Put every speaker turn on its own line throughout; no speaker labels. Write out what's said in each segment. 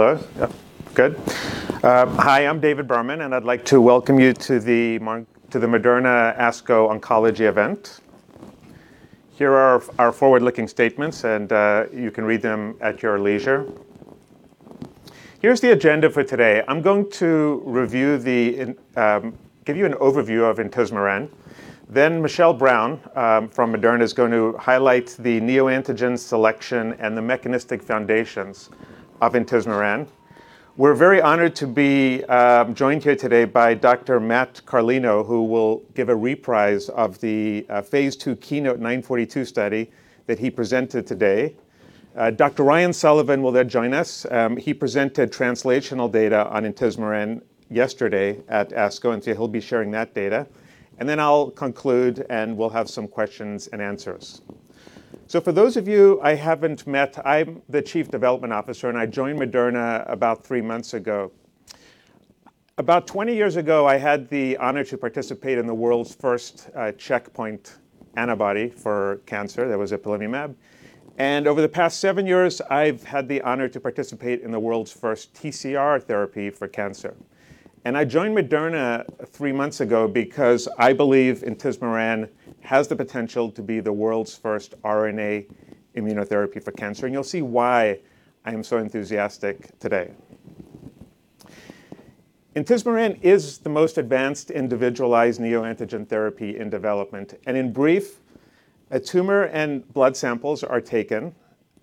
Hello? Yeah. Good. Hi, I'm David Berman, and I'd like to welcome you to the Moderna ASCO Oncology Event. Here are our forward-looking statements, and you can read them at your leisure. Here's the agenda for today. I'm going to give you an overview of intismeran. Michelle Brown from Moderna is going to highlight the neoantigen selection and the mechanistic foundations of intismeran. We're very honored to be joined here today by Dr. Matt Carlino, who will give a reprise of the phase II KEYNOTE-942 study that he presented today. Dr. Ryan Sullivan will join us. He presented translational data on intismeran yesterday at ASCO, and so he'll be sharing that data. I'll conclude, and we'll have some questions and answers. For those of you I haven't met, I'm the Chief Development Officer, and I joined Moderna about three months ago. About 20 years ago, I had the honor to participate in the world's first checkpoint antibody for cancer. That was ipilimumab. Over the past seven years, I've had the honor to participate in the world's first TCR therapy for cancer. I joined Moderna three months ago because I believe intismeran has the potential to be the world's first RNA immunotherapy for cancer. You'll see why I am so enthusiastic today. intismeran is the most advanced individualized neoantigen therapy in development. In brief, a tumor and blood samples are taken.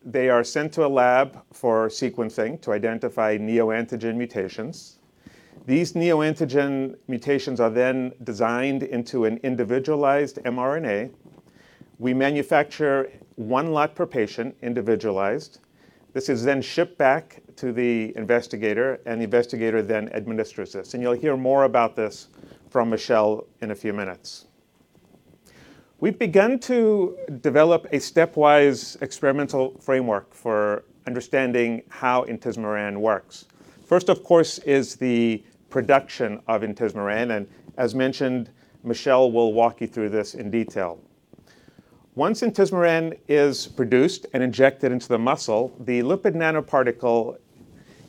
They are sent to a lab for sequencing to identify neoantigen mutations. These neoantigen mutations are then designed into an individualized mRNA. We manufacture one lot per patient, individualized. This is then shipped back to the investigator. The investigator then administers this. You'll hear more about this from Michelle in a few minutes. We've begun to develop a stepwise experimental framework for understanding how intismeran works. First, of course, is the production of intismeran, and as mentioned, Michelle will walk you through this in detail. Once intismeran is produced and injected into the muscle, the lipid nanoparticle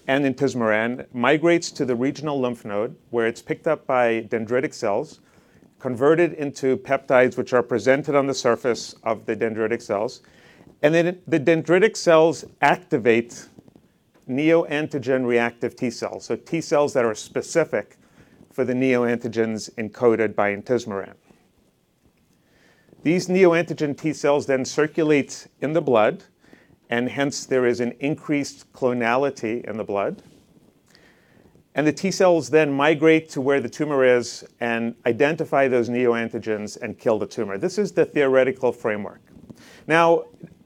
and intismeran migrates to the regional lymph node, where it's picked up by dendritic cells, converted into peptides, which are presented on the surface of the dendritic cells, and then the dendritic cells activate neoantigen reactive T cells, so T cells that are specific for the neoantigens encoded by intismeran. These neoantigen T cells then circulate in the blood, and hence, there is an increased clonality in the blood. And the T cells then migrate to where the tumor is and identify those neoantigens and kill the tumor. This is the theoretical framework.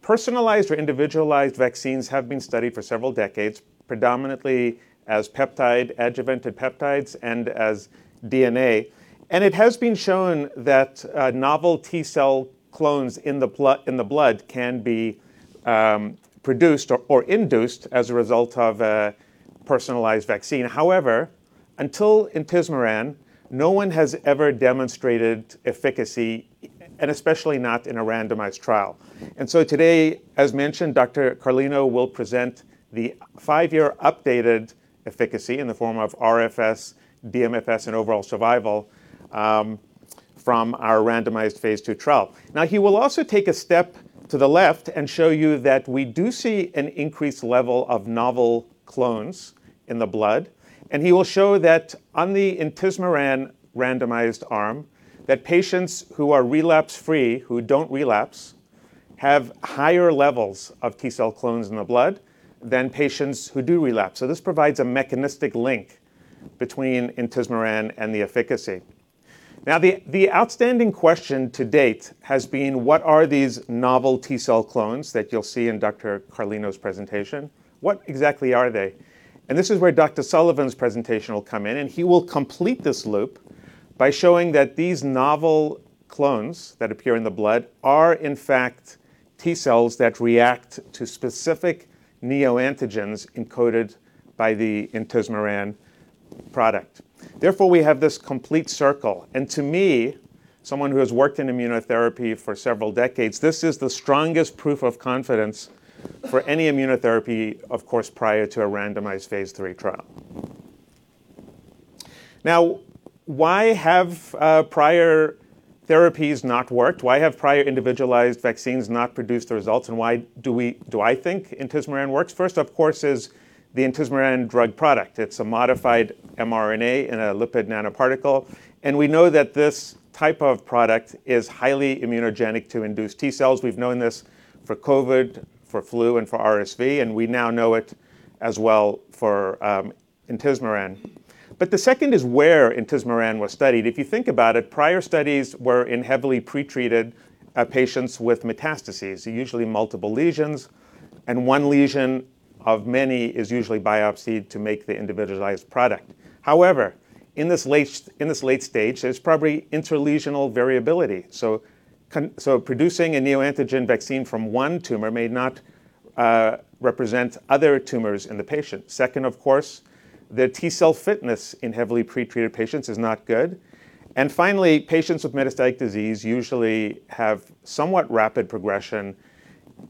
Personalized or individualized vaccines have been studied for several decades, predominantly as peptide, adjuvanted peptides, and as DNA. It has been shown that novel T cell clones in the blood can be produced or induced as a result of a personalized vaccine. However, until intismeran, no one has ever demonstrated efficacy, and especially not in a randomized trial. Today, as mentioned, Dr. Carlino will present the five-year updated efficacy in the form of RFS, DMFS, and overall survival, from our randomized phase II trial. He will also take a step to the left and show you that we do see an increased level of novel clones in the blood, and he will show that on the intismeran randomized arm, that patients who are relapse-free, who don't relapse, have higher levels of T cell clones in the blood than patients who do relapse. This provides a mechanistic link between intismeran and the efficacy. The outstanding question to date has been, what are these novel T cell clones that you'll see in Dr. Carlino's presentation? What exactly are they? This is where Dr. Sullivan's presentation will come in, and he will complete this loop by showing that these novel clones that appear in the blood are, in fact, T cells that react to specific neoantigens encoded by the intismeran product. Therefore, we have this complete circle, and to me, someone who has worked in immunotherapy for several decades, this is the strongest proof of confidence for any immunotherapy, of course, prior to a randomized phase III trial. Why have prior therapies not worked? Why have prior individualized vaccines not produced the results, and why do I think intismeran works? First, of course, is the intismeran drug product. It's a modified mRNA in a lipid nanoparticle. We know that this type of product is highly immunogenic to induce T cells. We've known this for COVID, for flu, and for RSV. We now know it as well for intismeran. The second is where intismeran was studied. If you think about it, prior studies were in heavily pretreated patients with metastases, usually multiple lesions, and one lesion of many is usually biopsied to make the individualized product. However, in this late stage, there's probably intralesional variability. Producing a neoantigen vaccine from one tumor may not represent other tumors in the patient. Second, of course, the T cell fitness in heavily pretreated patients is not good. Finally, patients with metastatic disease usually have somewhat rapid progression,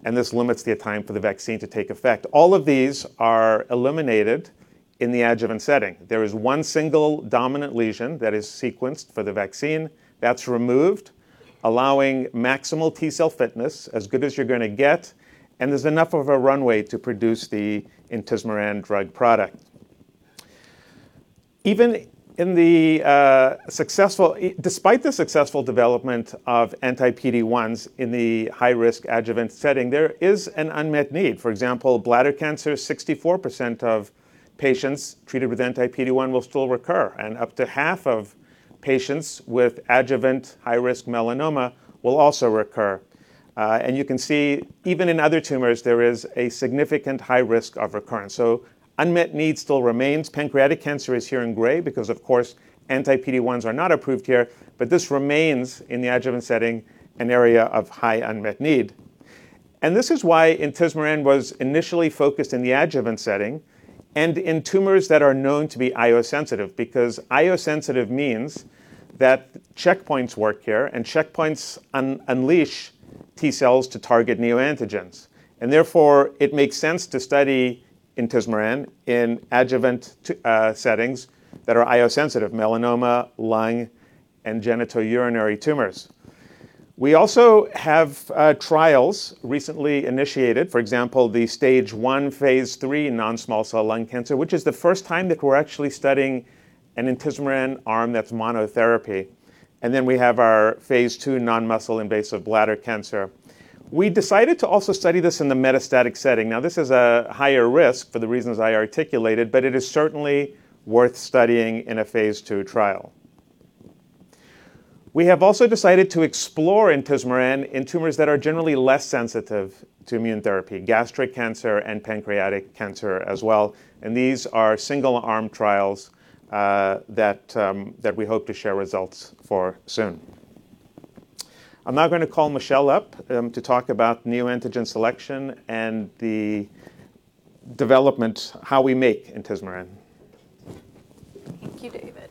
and this limits the time for the vaccine to take effect. All of these are eliminated in the adjuvant setting. There is one single dominant lesion that is sequenced for the vaccine that's removed, allowing maximal T-cell fitness as good as you're going to get, and there's enough of a runway to produce the intismeran drug product. Despite the successful development of anti PD-1s in the high-risk adjuvant setting, there is an unmet need. For example, bladder cancer, 64% of patients treated with anti PD-1 will still recur, and up to half of patients with adjuvant high-risk melanoma will also recur. You can see even in other tumors, there is a significant high risk of recurrence. Unmet need still remains. Pancreatic cancer is here in gray because, of course, anti PD-1s are not approved here, but this remains, in the adjuvant setting, an area of high unmet need. This is why intismeran was initially focused in the adjuvant setting and in tumors that are known to be IO sensitive, because IO sensitive means that checkpoints work here and checkpoints unleash T cells to target neoantigens. Therefore, it makes sense to study intismeran in adjuvant settings that are IO sensitive, melanoma, lung, and genitourinary tumors. We also have trials recently initiated, for example, the stage I phase III non-small cell lung cancer, which is the first time that we're actually studying an intismeran arm that's monotherapy. Then we have our phase II non-muscle invasive bladder cancer. We decided to also study this in the metastatic setting. Now, this is a higher risk for the reasons I articulated, but it is certainly worth studying in a phase II trial. We have also decided to explore intismeran in tumors that are generally less sensitive to immune therapy, gastric cancer, and pancreatic cancer as well. These are single-arm trials that we hope to share results for soon. I'm now going to call Michelle up to talk about neoantigen selection and the development, how we make intismeran.
Thank you, David.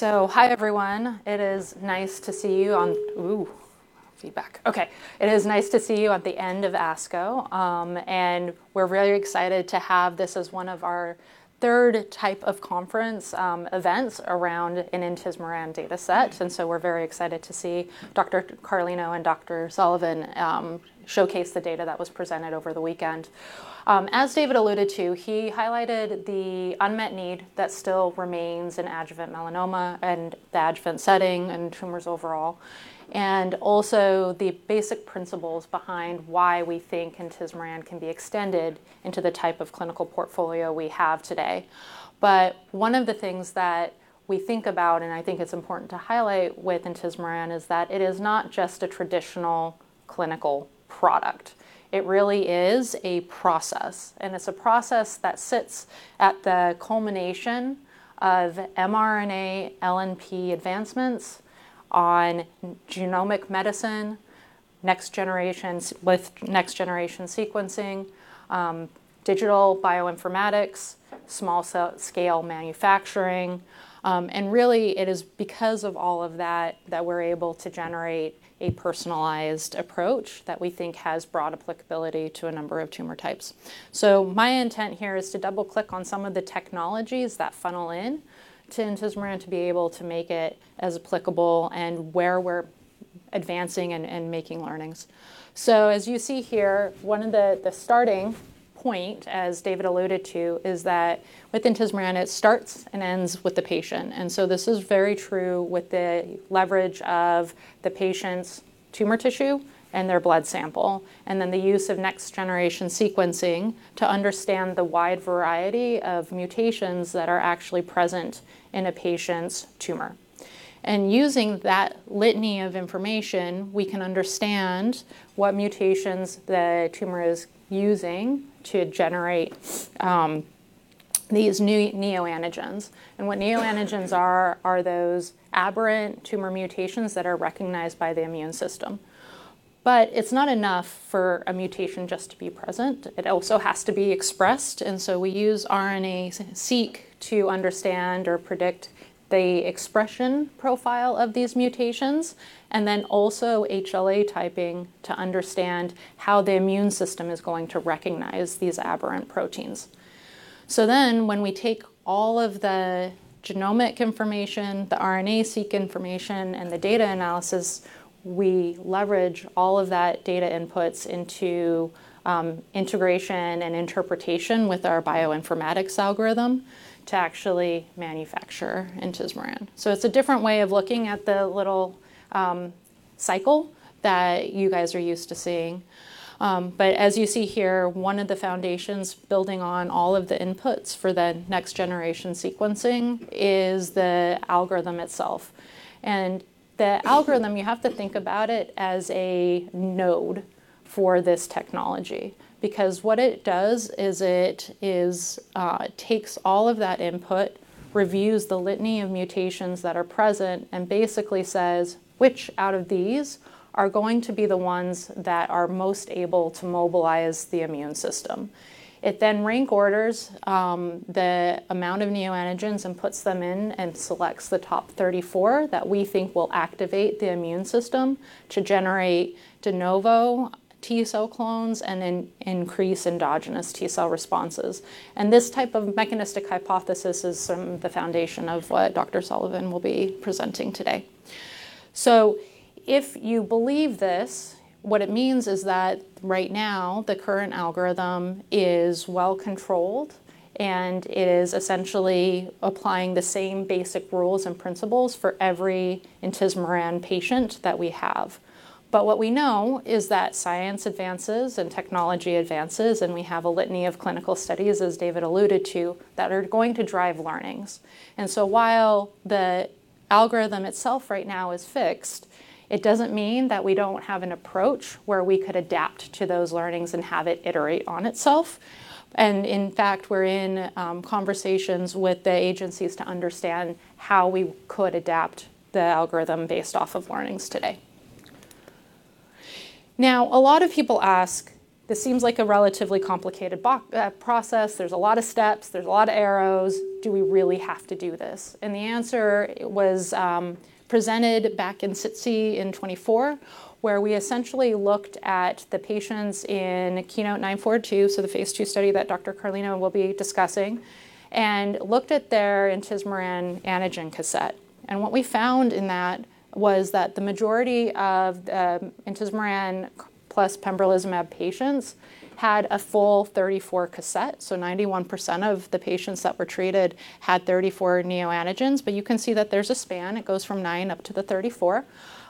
Hi, everyone. It is nice to see you. It is nice to see you at the end of ASCO. We're very excited to have this as one of our third type of conference events around an intismeran data set, and so we're very excited to see Dr. Carlino and Dr. Sullivan showcase the data that was presented over the weekend. As David alluded to, he highlighted the unmet need that still remains in adjuvant melanoma and the adjuvant setting and tumors overall, and also the basic principles behind why we think intismeran can be extended into the type of clinical portfolio we have today. One of the things that we think about, and I think it's important to highlight with intismeran, is that it is not just a traditional clinical product. It really is a process, and it's a process that sits at the culmination of mRNA LNP advancements on genomic medicine with next-generation sequencing, digital bioinformatics, small-scale manufacturing and really, it is because of all of that that we're able to generate a personalized approach that we think has broad applicability to a number of tumor types. My intent here is to double-click on some of the technologies that funnel in to intismeran to be able to make it as applicable and where we're advancing and making learnings. As you see here, one of the starting point, as David alluded to, is that with intismeran, it starts and ends with the patient. This is very true with the leverage of the patient's tumor tissue and their blood sample, and then the use of next-generation sequencing to understand the wide variety of mutations that are actually present in a patient's tumor. Using that litany of information, we can understand what mutations the tumor is using to generate these neoantigens. What neoantigens are those aberrant tumor mutations that are recognized by the immune system. It's not enough for a mutation just to be present. It also has to be expressed, and so we use RNA-Seq to understand or predict the expression profile of these mutations, and then also HLA typing to understand how the immune system is going to recognize these aberrant proteins. When we take all of the genomic information, the RNA-Seq information, and the data analysis, we leverage all of that data inputs into integration and interpretation with our bioinformatics algorithm to actually manufacture intismeran. It's a different way of looking at the little cycle that you guys are used to seeing. As you see here, one of the foundations building on all of the inputs for the next-generation sequencing is the algorithm itself. The algorithm, you have to think about it as a node for this technology, because what it does is it takes all of that input, reviews the litany of mutations that are present, and basically says which out of these are going to be the ones that are most able to mobilize the immune system. It then rank orders the amount of neoantigens and puts them in and selects the top 34 that we think will activate the immune system to generate de novo T cell clones and increase endogenous T cell responses. This type of mechanistic hypothesis is the foundation of what Dr. Ryan Sullivan will be presenting today. If you believe this, what it means is that right now the current algorithm is well-controlled and is essentially applying the same basic rules and principles for every intismeran patient that we have. What we know is that science advances and technology advances, and we have a litany of clinical studies, as David alluded to, that are going to drive learnings. While the algorithm itself right now is fixed, it doesn't mean that we don't have an approach where we could adapt to those learnings and have it iterate on itself. In fact, we're in conversations with the agencies to understand how we could adapt the algorithm based off of learnings today. A lot of people ask, this seems like a relatively complicated process. There's a lot of steps, there's a lot of arrows. Do we really have to do this? The answer was presented back in SITC in 2024, where we essentially looked at the patients in KEYNOTE-942, so the phase II study that Dr. Carlino will be discussing, and looked at their intismeran antigen cassette. What we found in that was that the majority of intismeran plus pembrolizumab patients had a full 34 cassette. 91% of the patients that were treated had 34 neoantigens. You can see that there's a span. It goes from nine up to the 34.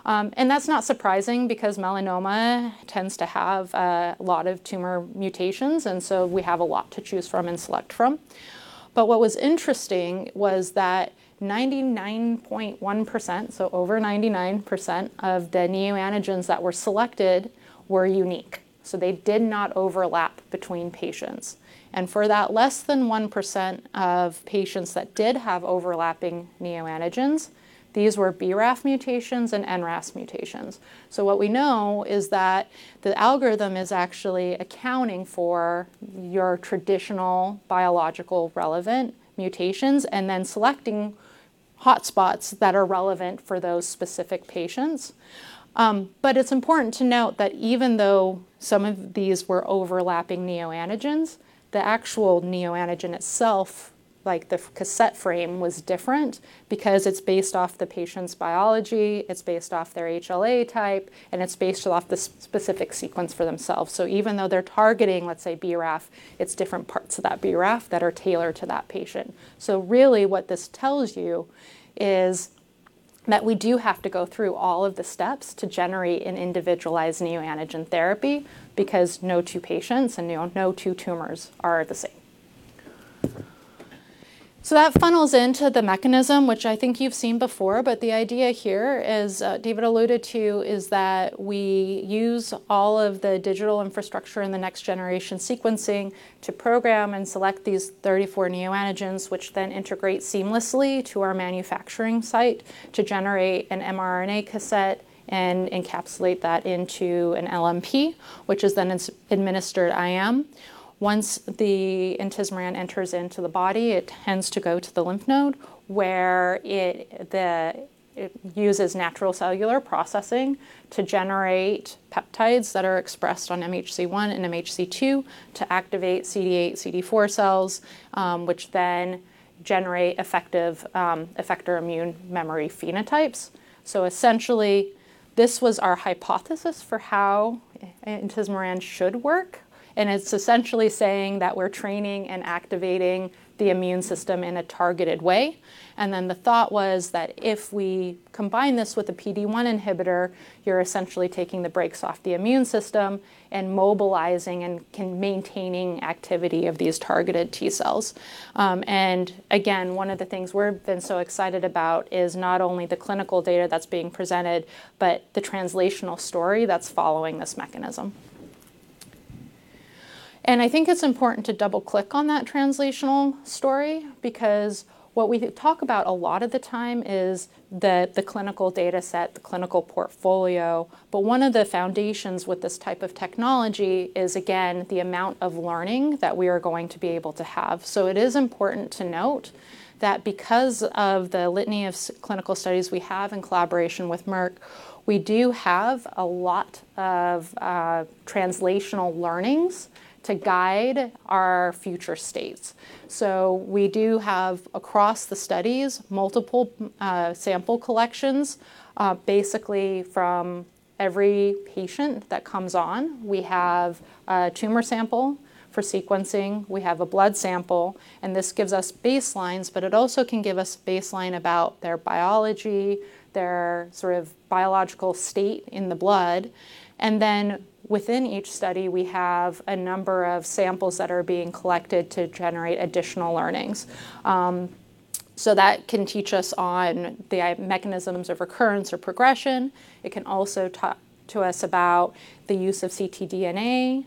That's not surprising because melanoma tends to have a lot of tumor mutations, we have a lot to choose from and select from. What was interesting was that 99.1%, over 99% of the neoantigens that were selected were unique. They did not overlap between patients. For that less than 1% of patients that did have overlapping neoantigens, these were BRAF mutations and NRAS mutations. What we know is that the algorithm is actually accounting for your traditional biological relevant mutations and then selecting hotspots that are relevant for those specific patients. It's important to note that even though some of these were overlapping neoantigens, the actual neoantigen itself, like the cassette frame, was different because it's based off the patient's biology, it's based off their HLA type, and it's based off the specific sequence for themselves. Even though they're targeting, let's say, BRAF, it's different parts of that BRAF that are tailored to that patient. Really what this tells you is that we do have to go through all of the steps to generate an individualized neoantigen therapy because no two patients and no two tumors are the same. That funnels into the mechanism which I think you've seen before. The idea here as David alluded to, is that we use all of the digital infrastructure in the next-generation sequencing to program and select these 34 neoantigens, which then integrate seamlessly to our manufacturing site to generate an mRNA cassette and encapsulate that into an LNP, which is then administered IM. Once the intismeran enters into the body, it tends to go to the lymph node where it uses natural cellular processing to generate peptides that are expressed on MHC-1 and MHC-2 to activate CD8, CD4 cells, which then generate effector immune memory phenotypes. Essentially this was our hypothesis for how intismeran should work, and it's essentially saying that we're training and activating the immune system in a targeted way. The thought was that if we combine this with a PD-1 inhibitor, you're essentially taking the brakes off the immune system and mobilizing and maintaining activity of these targeted T cells. One of the things we've been so excited about is not only the clinical data that's being presented, but the translational story that's following this mechanism. I think it's important to double-click on that translational story because what we talk about a lot of the time is the clinical data set, the clinical portfolio. One of the foundations with this type of technology is, again, the amount of learning that we are going to be able to have. It is important to note that because of the litany of clinical studies we have in collaboration with Merck, we do have a lot of translational learnings to guide our future states. We do have, across the studies, multiple sample collections basically from every patient that comes on. We have a tumor sample for sequencing. We have a blood sample and this gives us baselines, but it also can give us baseline about their biology, their biological state in the blood. Within each study we have a number of samples that are being collected to generate additional learnings. That can teach us on the mechanisms of recurrence or progression. It can also teach us about the use of ctDNA,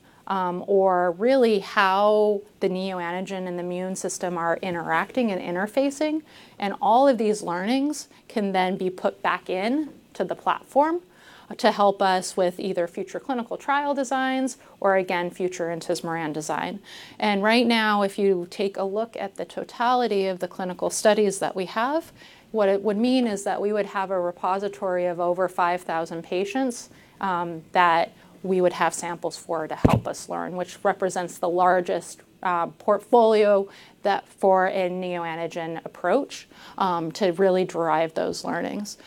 or really how the neoantigen and the immune system are interacting and interfacing. All of these learnings can then be put back in to the platform to help us with either future clinical trial designs or, again, future intismeran design. Right now, if you take a look at the totality of the clinical studies that we have, what it would mean is that we would have a repository of over 5,000 patients that we would have samples for to help us learn, which represents the largest portfolio for a neoantigen approach to really drive those learnings.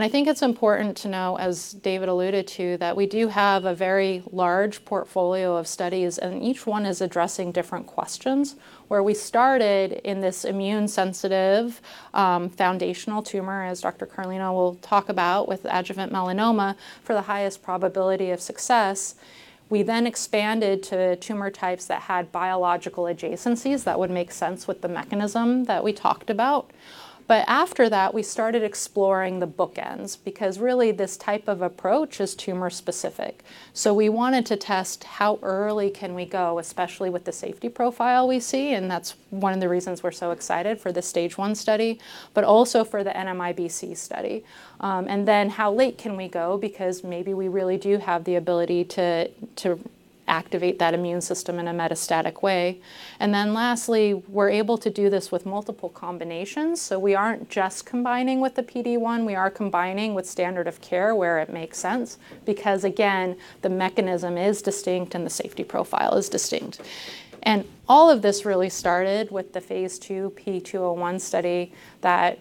I think it's important to know, as David alluded to, that we do have a very large portfolio of studies, and each one is addressing different questions. Where we started in this immune sensitive foundational tumor, as Dr. Carlino will talk about, with adjuvant melanoma for the highest probability of success, we then expanded to tumor types that had biological adjacencies that would make sense with the mechanism that we talked about. After that, we started exploring the bookends, because really this type of approach is tumor specific. We wanted to test how early can we go, especially with the safety profile we see, and that's one of the reasons we're so excited for the stage 1 study, but also for the NMIBC study. How late can we go, because maybe we really do have the ability to activate that immune system in a metastatic way. Lastly, we're able to do this with multiple combinations, so we aren't just combining with the PD-1, we are combining with standard of care where it makes sense, because again, the mechanism is distinct and the safety profile is distinct. All of this really started with the phase II P201 study that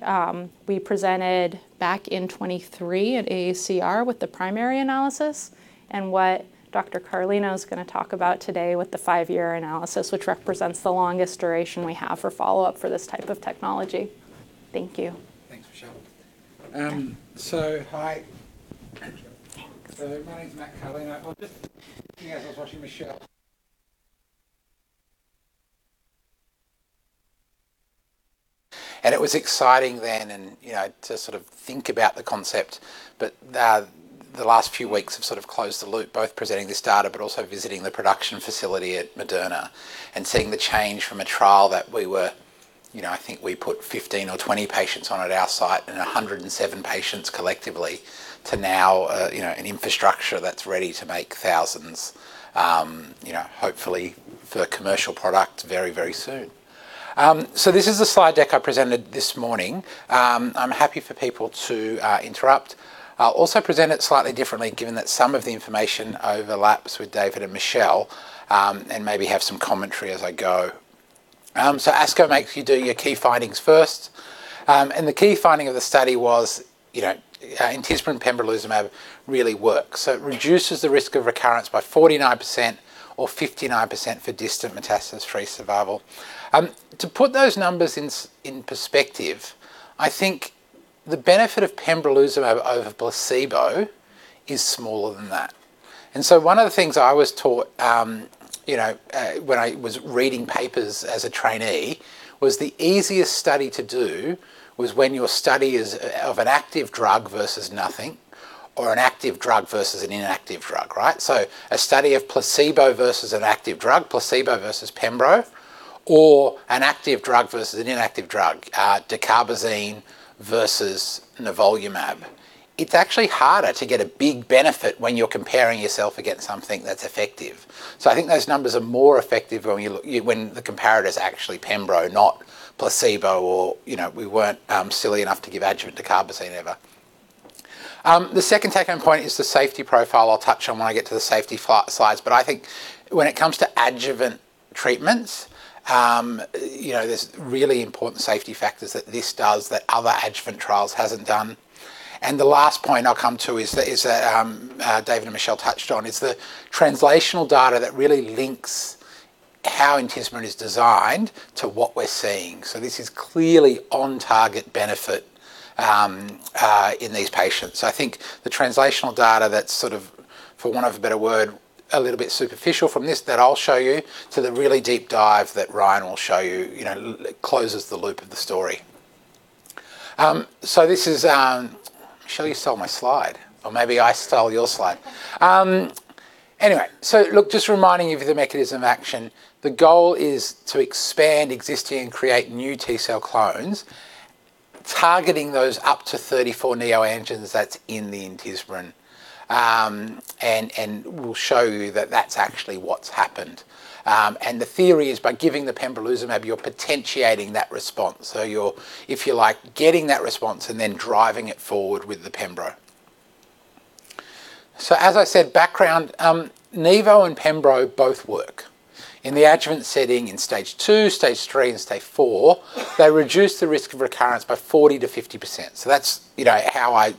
we presented back in 2023 at AACR with the primary analysis, and what Dr. Carlino is going to talk about today with the five-year analysis, which represents the longest duration we have for follow-up for this type of technology. Thank you.
Thanks, Michelle. Hi. My name's Matt Carlino. It was exciting then to think about the concept, but the last few weeks have sort of closed the loop, both presenting this data, but also visiting the production facility at Moderna and seeing the change from a trial that I think we put 15 or 20 patients on at our site and 107 patients collectively, to now an infrastructure that's ready to make thousands, hopefully for commercial product very, very soon. This is the slide deck I presented this morning. I'm happy for people to interrupt. I'll also present it slightly differently given that some of the information overlaps with David and Michelle, and maybe have some commentary as I go. ASCO makes you do your key findings first. The key finding of the study was intismeran pembrolizumab really works. It reduces the risk of recurrence by 49% or 59% for distant metastasis-free survival. To put those numbers in perspective, I think the benefit of pembrolizumab over placebo is smaller than that. One of the things I was taught when I was reading papers as a trainee was the easiest study to do was when your study is of an active drug versus nothing, or an active drug versus an inactive drug. A study of placebo versus an active drug, placebo versus pembro, or an active drug versus an inactive drug, dacarbazine versus nivolumab. It's actually harder to get a big benefit when you're comparing yourself against something that's effective. I think those numbers are more effective when the comparator is actually pembro, not placebo or we weren't silly enough to give adjuvant dacarbazine ever. The second take home point is the safety profile I'll touch on when I get to the safety slides, but I think when it comes to adjuvant treatments, there's really important safety factors that this does that other adjuvant trials hasn't done. The last point I'll come to is that David and Michelle touched on is the translational data that really links how intismeran is designed to what we're seeing. This is clearly on target benefit in these patients. I think the translational data that's, for want of a better word, a little bit superficial from this that I'll show you to the really deep dive that Ryan will show you, closes the loop of the story. Michelle, you stole my slide, or maybe I stole your slide. Just reminding you of the mechanism action. The goal is to expand existing and create new T-cell clones, targeting those up to 34 neoantigens that's in the intismeran, and we'll show you that that's actually what's happened. The theory is by giving the pembrolizumab, you're potentiating that response. You're, if you like, getting that response and then driving it forward with the pembro. As I said, background, nivo and pembro both work. In the adjuvant setting in stage II, stage III, and stage IV, they reduce the risk of recurrence by 40%-50%. That's how I,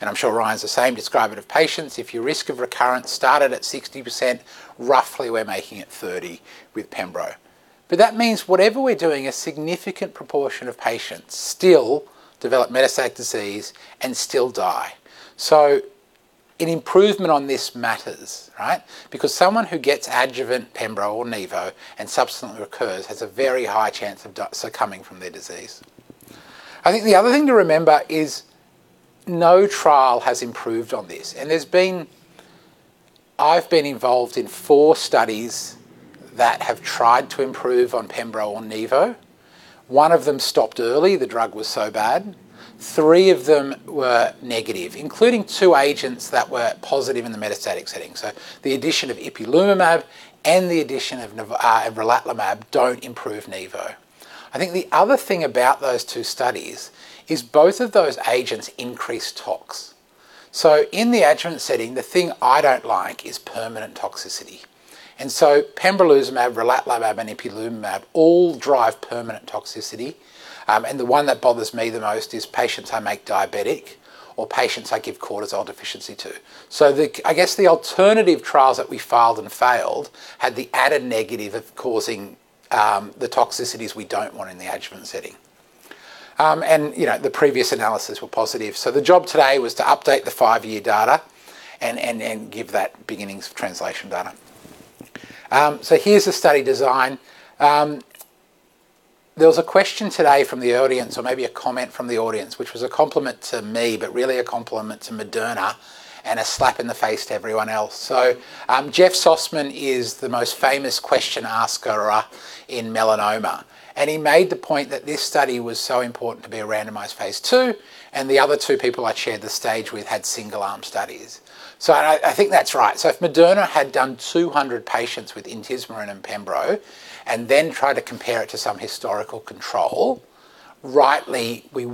and I'm sure Ryan's the same, describe it to patients. If your risk of recurrence started at 60%, roughly we're making it 30 with pembro. That means whatever we're doing, a significant proportion of patients still develop metastatic disease and still die. An improvement on this matters, because someone who gets adjuvant pembro or nivo and subsequently recurs has a very high chance of succumbing from their disease. I think the other thing to remember is no trial has improved on this. I've been involved in four studies that have tried to improve on pembro or nivo. One of them stopped early, the drug was so bad. Three of them were negative, including two agents that were positive in the metastatic setting. The addition of ipilimumab and the addition of avelumab don't improve nivo. I think the other thing about those two studies is both of those agents increase tox. In the adjuvant setting, the thing I don't like is permanent toxicity. pembro, relatlimab, and ipilimumab all drive permanent toxicity, and the one that bothers me the most is patients I make diabetic or patients I give cortisol deficiency to. I guess the alternative trials that we filed and failed had the added negative of causing the toxicities we don't want in the adjuvant setting. The previous analysis were positive. The job today was to update the five-year data and give that beginnings of translation data. Here's the study design. There was a question today from the audience, or maybe a comment from the audience, which was a compliment to me, but really a compliment to Moderna and a slap in the face to everyone else. Jeff Sosman is the most famous question asker in melanoma, and he made the point that this study was so important to be a randomized phase II, and the other two people I shared the stage with had single arm studies. I think that's right. If Moderna had done 200 patients with intismeran and pembro, and then tried to compare it to some historical control, rightly, we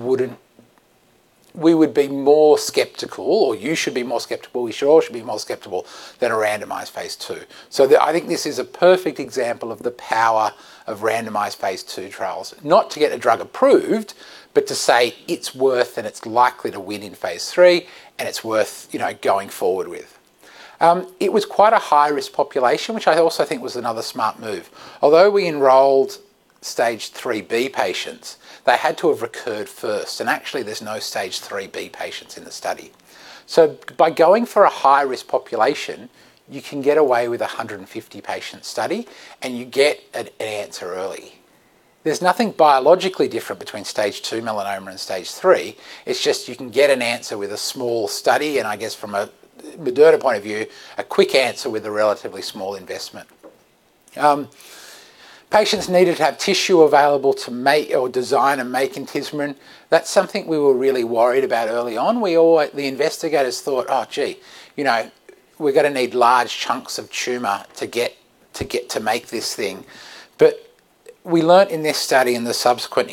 would be more skeptical, or you should be more skeptical, we all should be more skeptical than a randomized phase II. I think this is a perfect example of the power of randomized phase II trials. Not to get a drug approved, but to say it's worth and it's likely to win in phase III, and it's worth going forward with. It was quite a high-risk population, which I also think was another smart move. We enrolled stage 3B patients, they had to have recurred first, and actually there's no stage 3B patients in the study. By going for a high-risk population, you can get away with 150-patient study, and you get an answer early. There's nothing biologically different between stage 2 melanoma and stage 3. It's just you can get an answer with a small study, and I guess from a Moderna point of view, a quick answer with a relatively small investment. Patients needed to have tissue available to make or design and make intismeran. That's something we were really worried about early on. The investigators thought, oh, gee, we're going to need large chunks of tumor to get to make this thing. We learned in this study, in the subsequent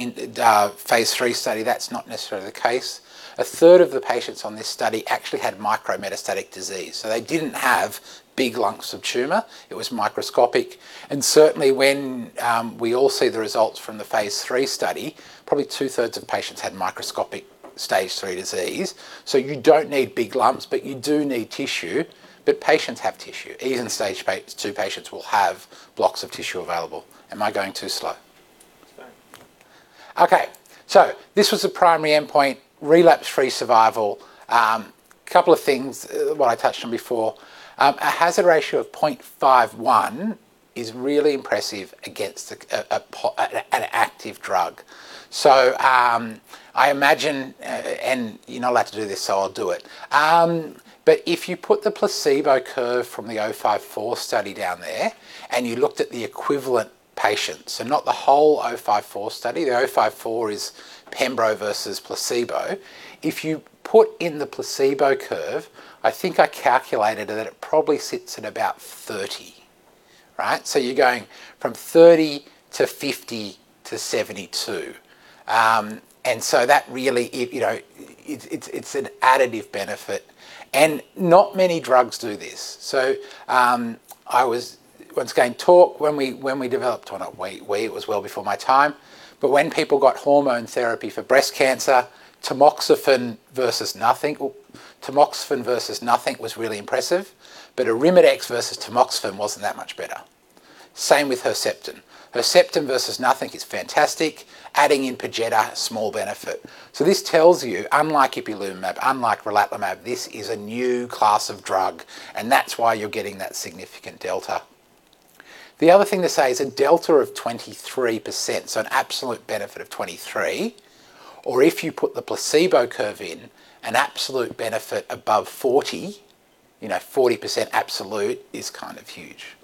phase III study, that's not necessarily the case. A third of the patients on this study actually had micrometastatic disease, they didn't have big lumps of tumor. It was microscopic. Certainly when we all see the results from the phase III study, probably two-thirds of patients had microscopic stage 3 disease. You don't need big lumps, you do need tissue. Patients have tissue. Even stage 2 patients will have blocks of tissue available. Am I going too slow?
No.
Okay. This was the primary endpoint, relapse-free survival. Couple of things, what I touched on before. A hazard ratio of 0.51 is really impressive against an active drug. I imagine, and you're not allowed to do this, so I'll do it. If you put the placebo curve from the 054 study down there, and you looked at the equivalent patients, not the whole 054 study, the 054 is pembro versus placebo. If you put in the placebo curve, I think I calculated it, that it probably sits at about 30. You're going from 30 to 50 to 72. That really, it's an additive benefit. Not many drugs do this. I was once going to talk when we developed Well, it was well before my time. When people got hormone therapy for breast cancer, tamoxifen versus nothing was really impressive, Arimidex versus tamoxifen wasn't that much better. Same with Herceptin. Herceptin versus nothing is fantastic. Adding in Perjeta, small benefit. This tells you, unlike ipilimumab, unlike relatlimab, this is a new class of drug, and that's why you're getting that significant delta. The other thing to say is a delta of 23%, an absolute benefit of 23%, or if you put the placebo curve in, an absolute benefit above 40%, 40% absolute is kind of huge.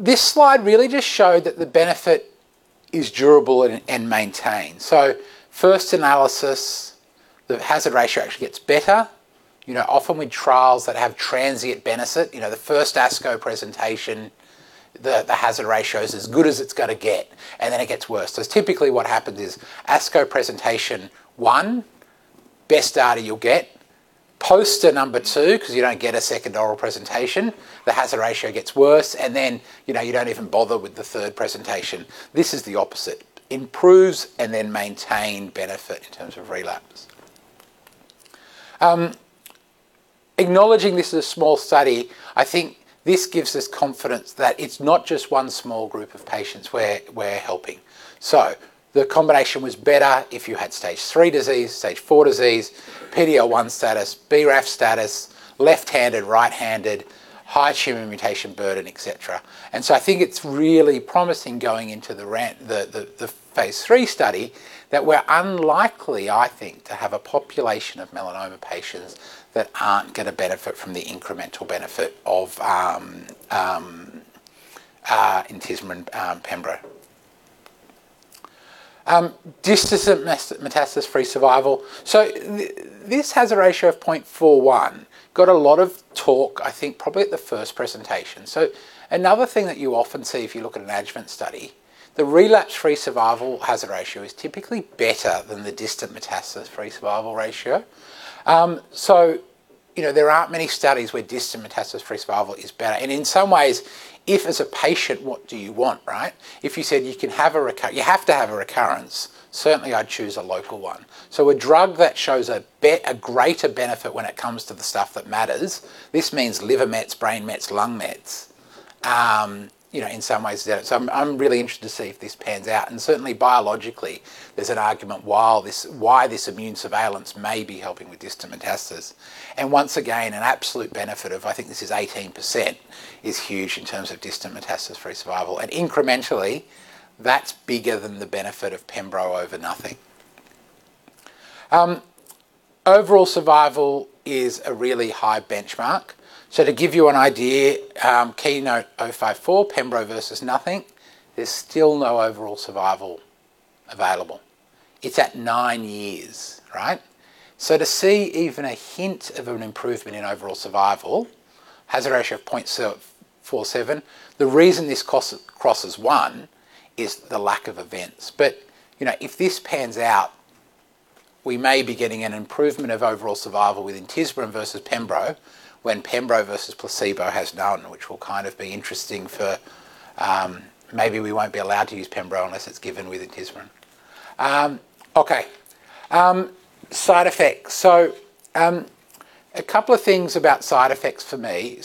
This slide really just showed that the benefit is durable and maintained. First analysis, the hazard ratio actually gets better. Often with trials that have transient benefit, the first ASCO presentation, the hazard ratio is as good as it's going to get, and then it gets worse. Typically what happens is ASCO presentation one, best data you'll get. Poster number two, because you don't get a second oral presentation, the hazard ratio gets worse, you don't even bother with the third presentation. This is the opposite. Improves maintain benefit in terms of relapse. Acknowledging this is a small study, I think this gives us confidence that it's not just one small group of patients we're helping. The combination was better if you had stage 3 disease, stage 4 disease, PD-L1 status, BRAF status, left-handed, right-handed, high tumor mutation burden, et cetera. I think it's really promising going into the phase III study that we're unlikely, I think, to have a population of melanoma patients that aren't going to benefit from the incremental benefit of intismeran pembro. Distant metastasis-free survival. This has a ratio of 0.41. Got a lot of talk, I think probably at the first presentation. Another thing that you often see if you look at an adjuvant study, the relapse-free survival hazard ratio is typically better than the distant metastasis-free survival ratio. There aren't many studies where distant metastasis-free survival is better. In some ways, if as a patient, what do you want, right? If you said you have to have a recurrence, certainly I'd choose a local one. A drug that shows a greater benefit when it comes to the stuff that matters, this means liver mets, brain mets, lung mets, in some ways. I'm really interested to see if this pans out, and certainly biologically, there's an argument why this immune surveillance may be helping with distant metastasis. Once again, an absolute benefit of, I think this is 18%, is huge in terms of distant metastasis-free survival. Incrementally, that's bigger than the benefit of pembro over nothing. Overall survival is a really high benchmark. To give you an idea, KEYNOTE-054, pembro versus nothing, there's still no overall survival available. It's at nine years, right? To see even a hint of an improvement in overall survival, hazard ratio of 0.47, the reason this crosses 1 is the lack of events. If this pans out, we may be getting an improvement of overall survival with intismeran versus pembro when pembro versus placebo has none, which will kind of be interesting for maybe we won't be allowed to use pembro unless it's given with intismeran. Okay. Side effects. A couple of things about side effects for me.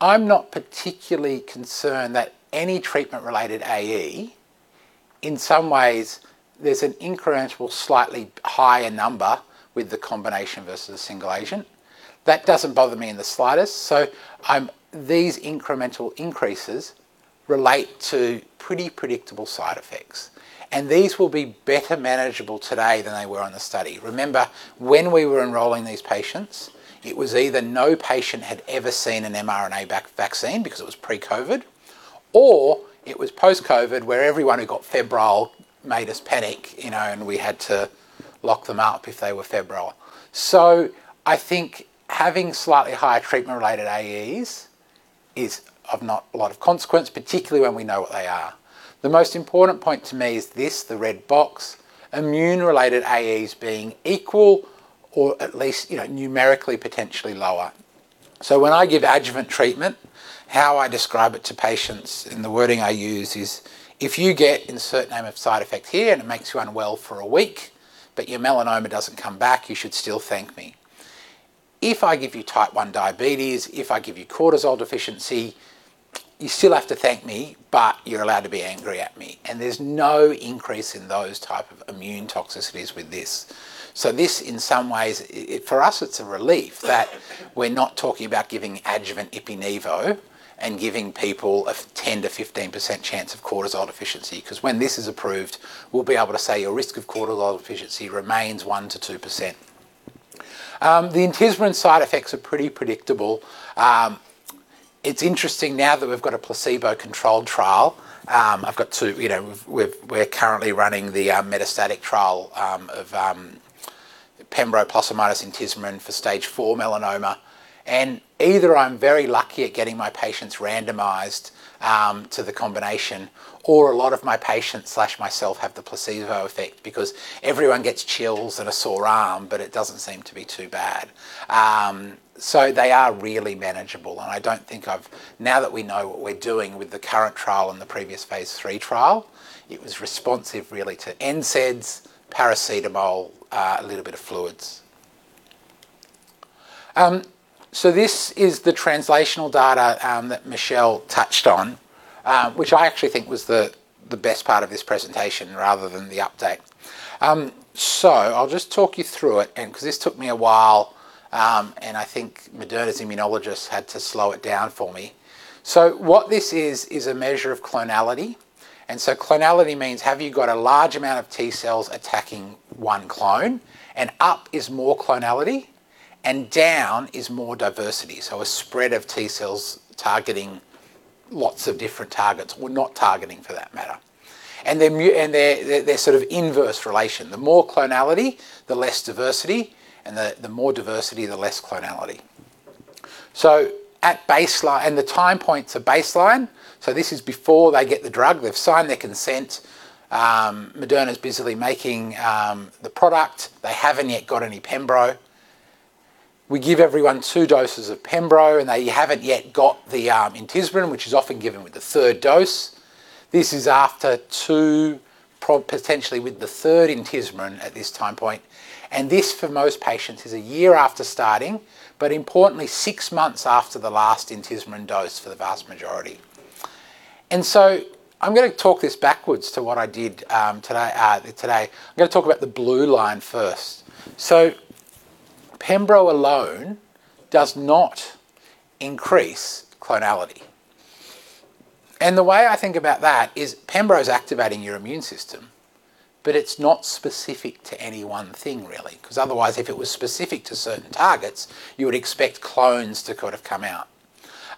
I'm not particularly concerned that any treatment related AE, in some ways, there's an incremental slightly higher number with the combination versus the single agent. That doesn't bother me in the slightest. These incremental increases relate to pretty predictable side effects, and these will be better manageable today than they were on the study. Remember, when we were enrolling these patients, it was either no patient had ever seen an mRNA vaccine because it was pre-COVID, or it was post-COVID, where everyone who got febrile made us panic, and we had to lock them up if they were febrile. I think having slightly higher treatment related AEs is of not a lot of consequence, particularly when we know what they are. The most important point to me is this, the red box, immune related AEs being equal or at least numerically potentially lower. When I give adjuvant treatment, how I describe it to patients and the wording I use is, "If you get insert name of side effect here and it makes you unwell for a week, but your melanoma doesn't come back, you should still thank me. If I give you type 1 diabetes, if I give you cortisol deficiency, you still have to thank me, but you're allowed to be angry at me." There's no increase in those type of immune toxicities with this. This in some ways, for us it's a relief that we're not talking about giving adjuvant Ipi/Nivo and giving people a 10%-15% chance of cortisol deficiency because when this is approved, we'll be able to say your risk of cortisol deficiency remains 1%-2%. The intismeran side effects are pretty predictable. It's interesting now that we've got a placebo-controlled trial. We're currently running the metastatic trial of pembro plus intismeran for stage 4 melanoma. Either I'm very lucky at getting my patients randomized to the combination, or a lot of my patients/myself have the placebo effect because everyone gets chills and a sore arm. It doesn't seem to be too bad. They are really manageable. Now that we know what we're doing with the current trial and the previous phase III trial, it was responsive really to NSAIDs, paracetamol, a little bit of fluids. This is the translational data that Michelle touched on, which I actually think was the best part of this presentation rather than the update. I'll just talk you through it because this took me a while, and I think Moderna's immunologist had to slow it down for me. What this is a measure of clonality. Clonality means have you got a large amount of T cells attacking one clone, and up is more clonality, and down is more diversity. A spread of T cells targeting lots of different targets. Well, not targeting for that matter. Their sort of inverse relation, the more clonality, the less diversity, and the more diversity, the less clonality. The time point to baseline, this is before they get the drug, they've signed their consent, Moderna's busily making the product. They haven't yet got any pembro. We give everyone two doses of pembro, and they haven't yet got the intismeran, which is often given with the third dose. This is after two, potentially with the third intismeran at this time point, and this for most patients is a year after starting, but importantly six months after the last intismeran dose for the vast majority. I'm going to talk this backwards to what I did today. I'm going to talk about the blue line first. pembro alone does not increase clonality. The way I think about that is pembro's activating your immune system, but it's not specific to any one thing really because otherwise, if it was specific to certain targets, you would expect clones to kind of come out.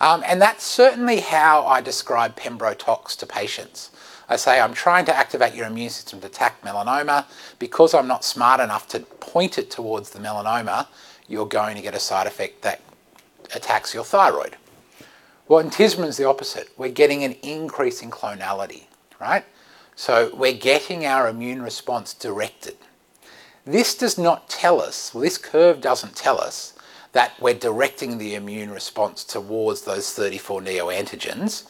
That's certainly how I describe pembrotox to patients. I say, "I'm trying to activate your immune system to attack melanoma. Because I'm not smart enough to point it towards the melanoma, you're going to get a side effect that attacks your thyroid. intismeran's the opposite. We're getting an increase in clonality, right? We're getting our immune response directed. This does not tell us, this curve doesn't tell us that we're directing the immune response towards those 34 neoantigens.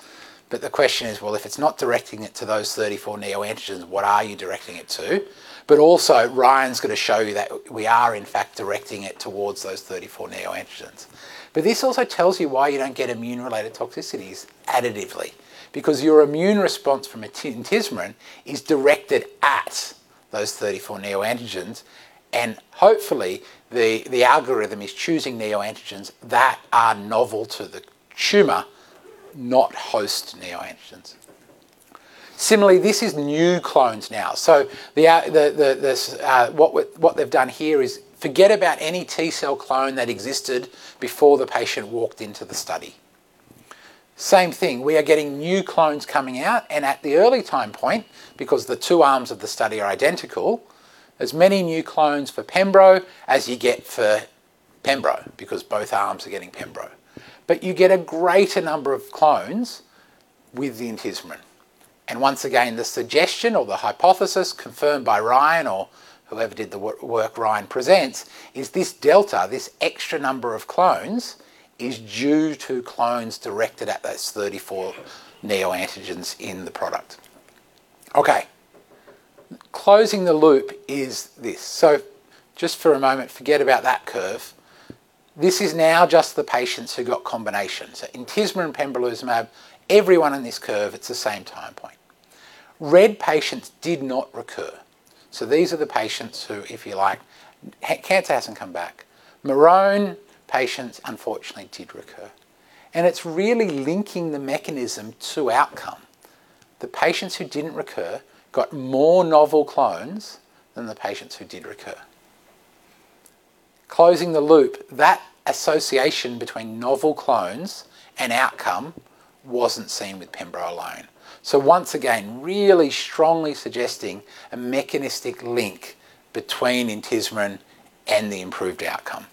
The question is, if it's not directing it to those 34 neoantigens, what are you directing it to? Ryan's going to show you that we are in fact directing it towards those 34 neoantigens. This also tells you why you don't get immune-related toxicities additively, because your immune response from intismeran is directed at those 34 neoantigens, and hopefully the algorithm is choosing neoantigens that are novel to the tumor, not host neoantigens. Similarly, this is new clones now. What they've done here is forget about any T-cell clone that existed before the patient walked into the study. Same thing, we are getting new clones coming out, at the early time point, because the two arms of the study are identical, as many new clones for pembro as you get for pembro because both arms are getting pembro. You get a greater number of clones with the intismeran. Once again, the suggestion or the hypothesis confirmed by Ryan or whoever did the work Ryan presents, is this delta, this extra number of clones, is due to clones directed at those 34 neoantigens in the product. Okay. Closing the loop is this. Just for a moment, forget about that curve. This is now just the patients who got combinations. intismeran, pembrolizumab, everyone in this curve, it's the same time point. Red patients did not recur. These are the patients who, if you like, cancer hasn't come back. Maroon patients unfortunately did recur. It's really linking the mechanism to outcome. The patients who didn't recur got more novel clones than the patients who did recur. Closing the loop, that association between novel clones and outcome wasn't seen with pembro alone. Once again, really strongly suggesting a mechanistic link between intismeran and the improved outcome.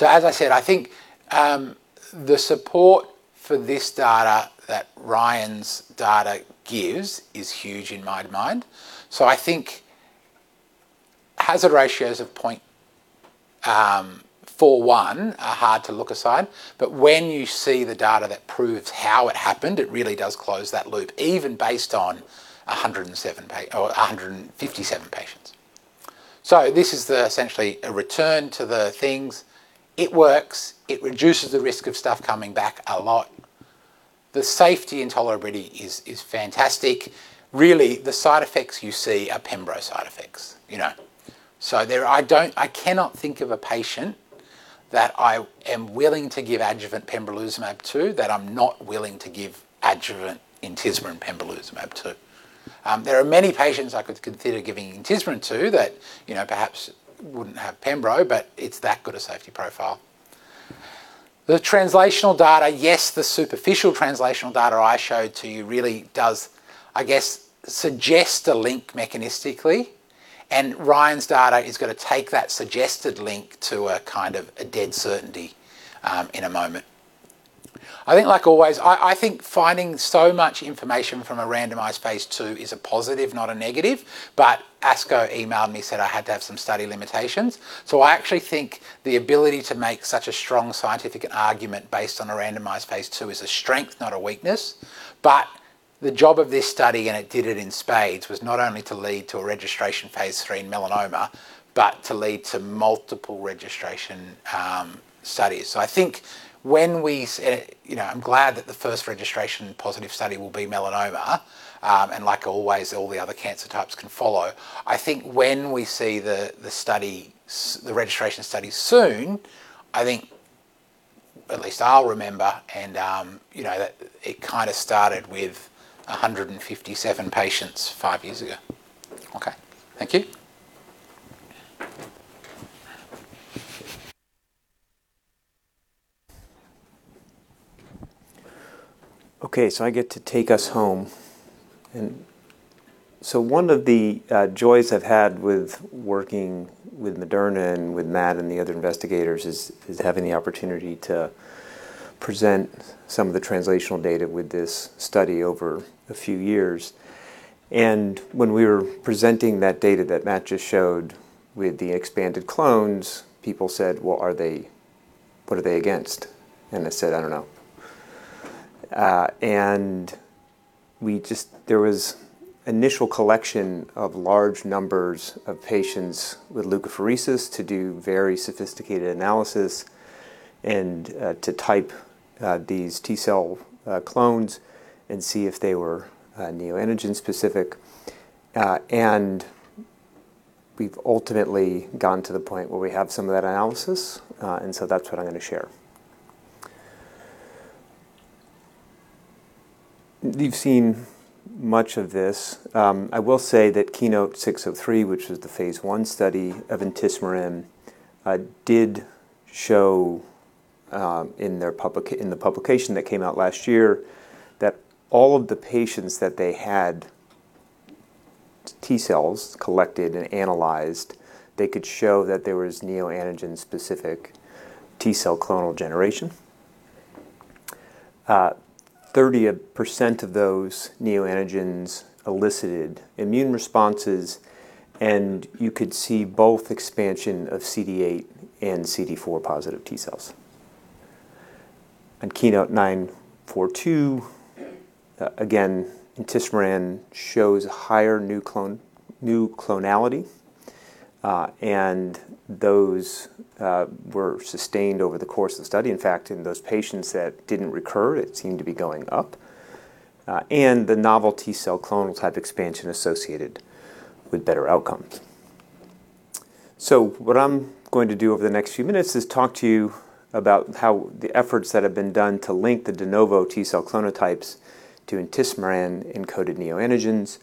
As I said, I think the support for this data that Ryan's data gives is huge in my mind. I think hazard ratios of 0.41 are hard to look aside, but when you see the data that proves how it happened, it really does close that loop, even based on 157 patients. This is essentially a return to the things. It works, it reduces the risk of stuff coming back a lot. The safety and tolerability is fantastic. Really, the side effects you see are pembrolizumab side effects. I cannot think of a patient that I am willing to give adjuvant pembrolizumab to that I'm not willing to give adjuvant intismeran and pembrolizumab to. There are many patients I could consider giving intismeran to that perhaps wouldn't have pembrolizumab, it's that good a safety profile. The translational data, yes, the superficial translational data I showed to you really does, I guess, suggest a link mechanistically, Ryan's data is going to take that suggested link to a kind of a dead certainty in a moment. I think like always, I think finding so much information from a randomized phase II is a positive, not a negative, ASCO emailed me, said I had to have some study limitations. I actually think the ability to make such a strong scientific argument based on a randomized phase II is a strength, not a weakness. The job of this study, and it did it in spades, was not only to lead to a registration phase III in melanoma, but to lead to multiple registration studies. I'm glad that the first registration positive study will be melanoma, and like always, all the other cancer types can follow. When we see the registration study soon, I think at least I'll remember, and that it kind of started with 157 patients five years ago. Okay. Thank you.
Okay, I get to take us home. One of the joys I've had with working with Moderna and with Matt and the other investigators is having the opportunity to present some of the translational data with this study over a few years. When we were presenting that data that Matt just showed with the expanded clones, people said, "Well, what are they against?" I said, "I don't know." There was initial collection of large numbers of patients with leukapheresis to do very sophisticated analysis and to type these T-cell clones and see if they were neoantigen specific. We've ultimately gotten to the point where we have some of that analysis. That's what I'm going to share. You've seen much of this. I will say that KEYNOTE-603, which was the phase I study of intismeran, did show in the publication that came out last year that all of the patients that they had T cells collected and analyzed, they could show that there was neoantigen-specific T cell clonal generation. 30% of those neoantigens elicited immune responses. You could see both expansion of CD8 and CD4 positive T cells. In KEYNOTE-942, again, intismeran shows higher new clonality, and those were sustained over the course of the study. In fact, in those patients that didn't recur, it seemed to be going up, and the novel T cell clonal type expansion associated with better outcomes. What I'm going to do over the next few minutes is talk to you about the efforts that have been done to link the de novo T cell clonotypes to intismeran encoded neoantigens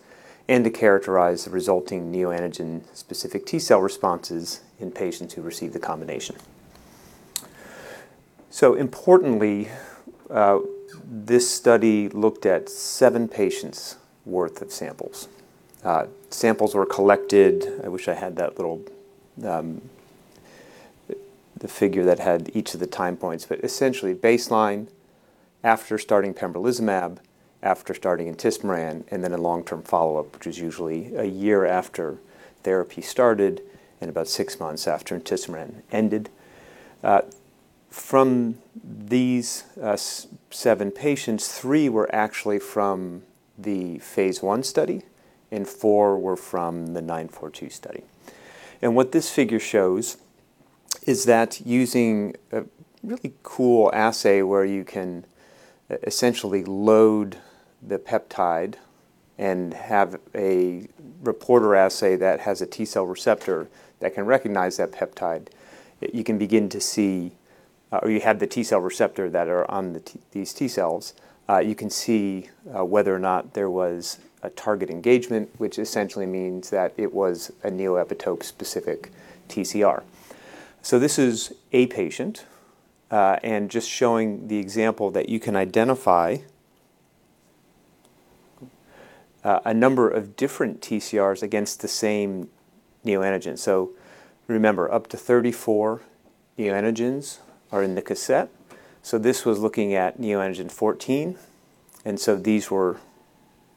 and to characterize the resulting neoantigen specific T cell responses in patients who received the combination. Importantly, this study looked at seven patients' worth of samples. Samples were collected, I wish I had that little figure that had each of the time points, but essentially baseline after starting pembrolizumab, after starting intismeran, and then a long-term follow-up, which was usually a year after therapy started and about six months after intismeran ended. From these seven patients, three were actually from the phase I study and four were from the KEYNOTE-942 study. What this figure shows is that using a really cool assay where you can essentially load the peptide and have a reporter assay that has a T cell receptor that can recognize that peptide, or you have the T cell receptor that are on these T cells, you can see whether or not there was a target engagement, which essentially means that it was a neoepitope specific TCR. This is a patient, and just showing the example that you can identify a number of different TCRs against the same neoantigen. Remember, up to 34 neoantigens are in the cassette. This was looking at neoantigen 14, these were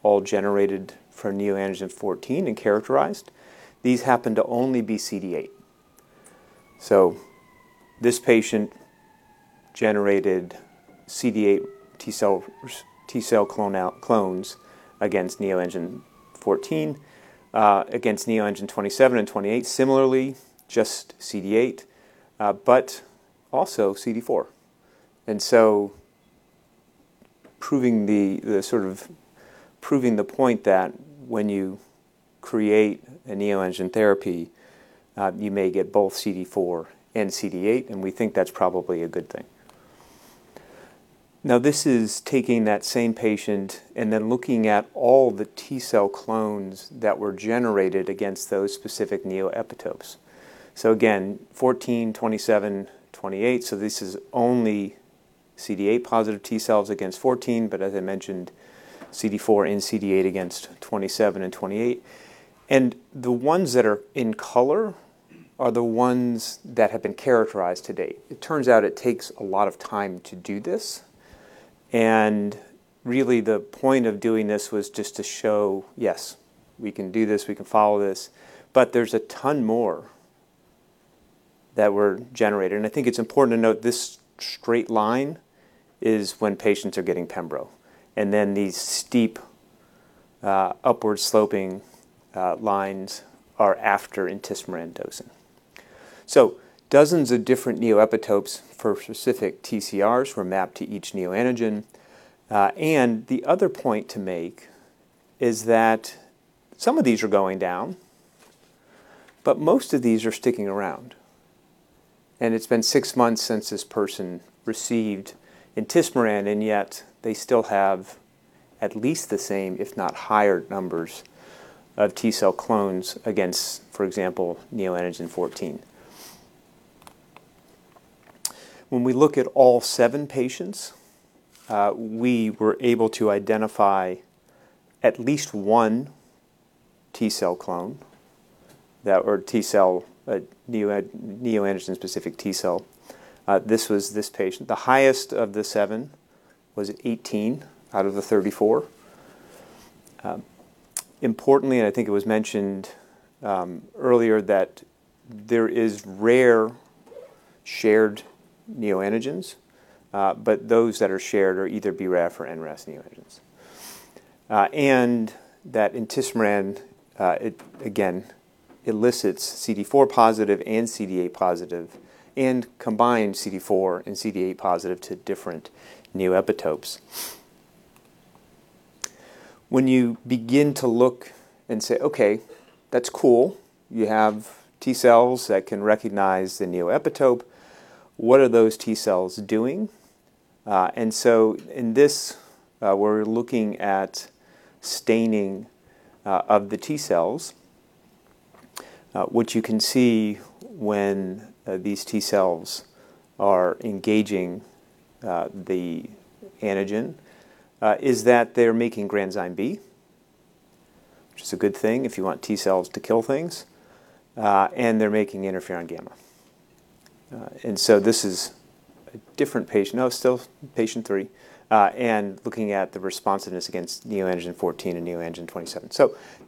all generated for neoantigen 14 and characterized. These happen to only be CD8. This patient generated CD8 T cell clones against neoantigen 14, against neoantigen 27 and 28, similarly just CD8, but also CD4. Proving the point that when you create a neoantigen therapy, you may get both CD4 and CD8, and we think that's probably a good thing. This is taking that same patient and then looking at all the T cell clones that were generated against those specific neoepitopes. Again, 14, 27, 28. This is only CD8 positive T cells against 14, but as I mentioned, CD4 and CD8 against 27 and 28. The ones that are in color are the ones that have been characterized to date. It turns out it takes a lot of time to do this, and really the point of doing this was just to show, yes, we can do this, we can follow this, but there's a ton more that were generated. I think it's important to note this straight line is when patients are getting pembro, and then these steep upward sloping lines are after intismeran dosing. Dozens of different neoepitopes for specific TCRs were mapped to each neoantigen. The other point to make is that some of these are going down, but most of these are sticking around, and it's been six months since this person received intismeran and yet they still have at least the same, if not higher numbers of T cell clones against, for example, neoantigen 14. When we look at all seven patients, we were able to identify at least one T cell clone or neoantigen specific T cell. This was this patient. The highest of the seven was 18 out of the 34. Importantly, and I think it was mentioned earlier, that there is rare shared neoantigens, but those that are shared are either BRAF or NRAS neoantigens. That intismeran, again, elicits CD4 positive and CD8 positive and combined CD4 and CD8 positive to different neoepitopes. When you begin to look and say, "Okay, that's cool. You have T cells that can recognize the neoepitope. What are those T cells doing?" In this, we're looking at staining of the T cells. What you can see when these T cells are engaging the antigen is that they're making granzyme B, which is a good thing if you want T cells to kill things. They're making interferon gamma. This is a different patient. No, still patient 3, and looking at the responsiveness against neoantigen 14 and neoantigen 27.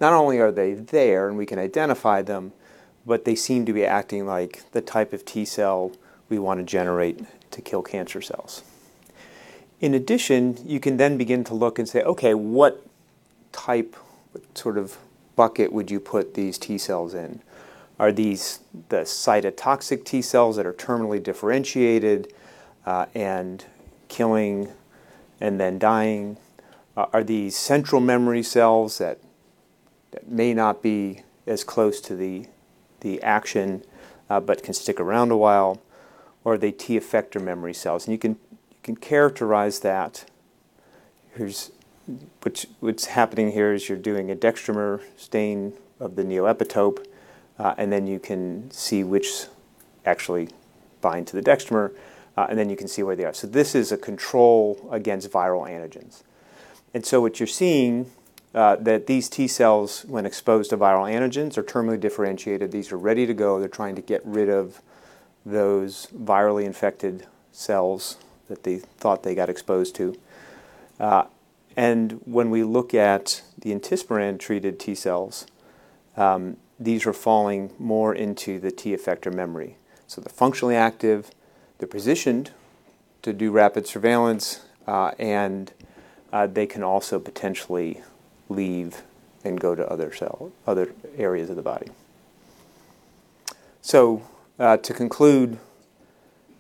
Not only are they there, and we can identify them, but they seem to be acting like the type of T cell we want to generate to kill cancer cells. In addition, you can then begin to look and say, "Okay, what type bucket would you put these T cells in?" Are these the cytotoxic T cells that are terminally differentiated, and killing and then dying? Are these central memory cells that may not be as close to the action, but can stick around a while? Or are they T effector memory cells? You can characterize that. What's happening here is you're doing a dextramer stain of the neoepitope, and then you can see which actually bind to the dextramer, and then you can see where they are. This is a control against viral antigens. What you're seeing, that these T cells, when exposed to viral antigens, are terminally differentiated. These are ready to go. They're trying to get rid of those virally infected cells that they thought they got exposed to. When we look at the intismeran treated T cells, these are falling more into the T effector memory. They're functionally active, they're positioned to do rapid surveillance, and they can also potentially leave and go to other areas of the body. To conclude,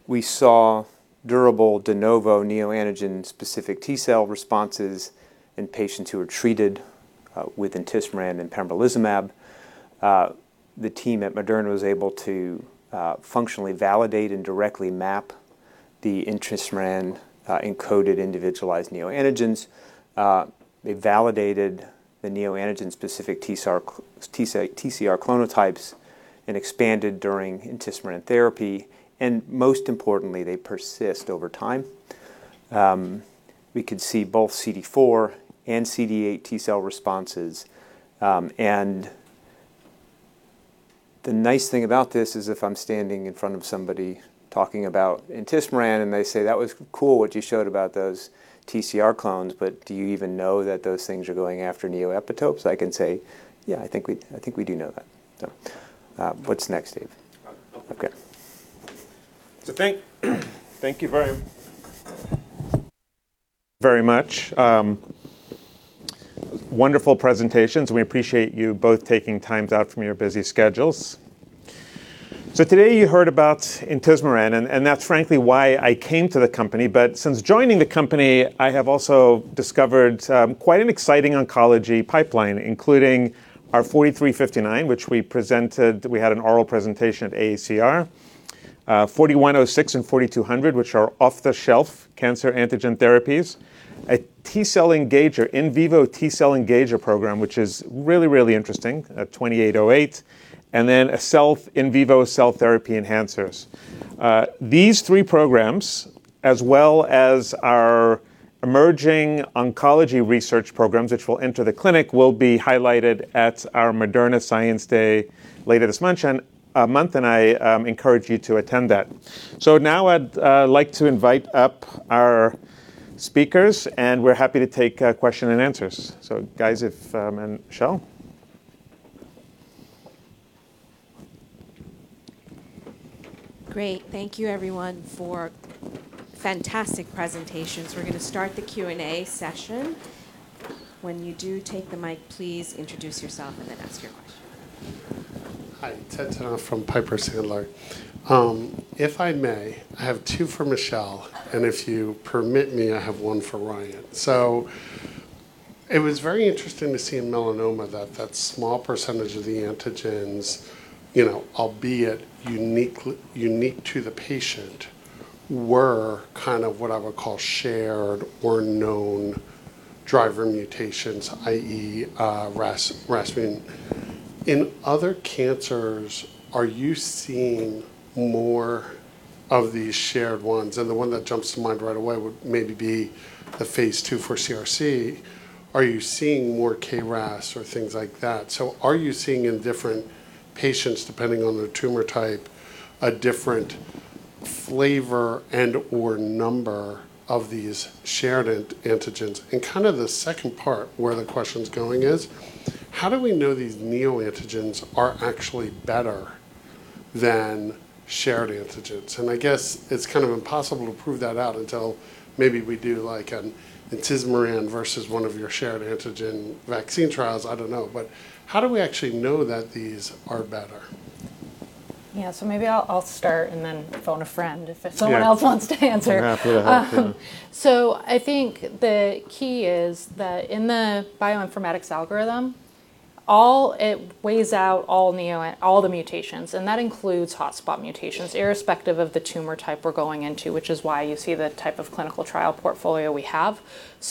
we saw durable de novo neoantigen-specific T cell responses in patients who were treated with intismeran and pembrolizumab. The team at Moderna was able to functionally validate and directly map the intismeran encoded individualized neoantigens. They validated the neoantigen-specific TCR clonotypes and expanded during intismeran therapy, and most importantly, they persist over time. We could see both CD4 and CD8 T cell responses. The nice thing about this is if I'm standing in front of somebody talking about intismeran and they say, "That was cool what you showed about those TCR clones, but do you even know that those things are going after neoepitopes?" I can say, "Yeah, I think we do know that." What's next, Dave?
Okay.
Okay.
Thank you very much. Wonderful presentations. We appreciate you both taking time out from your busy schedules. Today you heard about intismeran, and that's frankly why I came to the company. Since joining the company, I have also discovered quite an exciting oncology pipeline, including our 4359, which we had an oral presentation at AACR. 4106 and 4200, which are off-the-shelf cancer antigen therapies. A T cell engager, in vivo T cell engager program, which is really interesting, 2808. In vivo cell therapy enhancers. These three programs, as well as our emerging oncology research programs, which will enter the clinic, will be highlighted at our Moderna Science Day later this month, and I encourage you to attend that. Now I'd like to invite up our speakers, and we're happy to take question and answers. Guys, if, and Michelle?
Great. Thank you everyone for fantastic presentations. We're going to start the Q&A session. When you do take the mic, please introduce yourself and then ask your question.
Hi, Tenthoff from Piper Sandler. If I may, I have two for Michelle, and if you permit me, I have one for Ryan. It was very interesting to see in melanoma that that small percentage of the antigens, albeit unique to the patient, were kind of what I would call shared or known driver mutations, i.e. RAS, Raf/MEK. In other cancers, are you seeing more of these shared ones? The one that jumps to mind right away would maybe be the phase II for CRC. Are you seeing more KRAS or things like that? Are you seeing in different patients, depending on the tumor type, a different flavor and/or number of these shared antigens? The second part where the question's going is, how do we know these neoantigens are actually better than shared antigens? I guess it's kind of impossible to prove that out until maybe we do an intismeran versus one of your shared antigen vaccine trials. I don't know. How do we actually know that these are better?
Yeah. Maybe I'll start and then phone a friend if someone else wants to answer.
Yeah. Happy to help, yeah.
I think the key is that in the bioinformatics algorithm, it weighs out all the mutations, and that includes hotspot mutations, irrespective of the tumor type we're going into, which is why you see the type of clinical trial portfolio we have.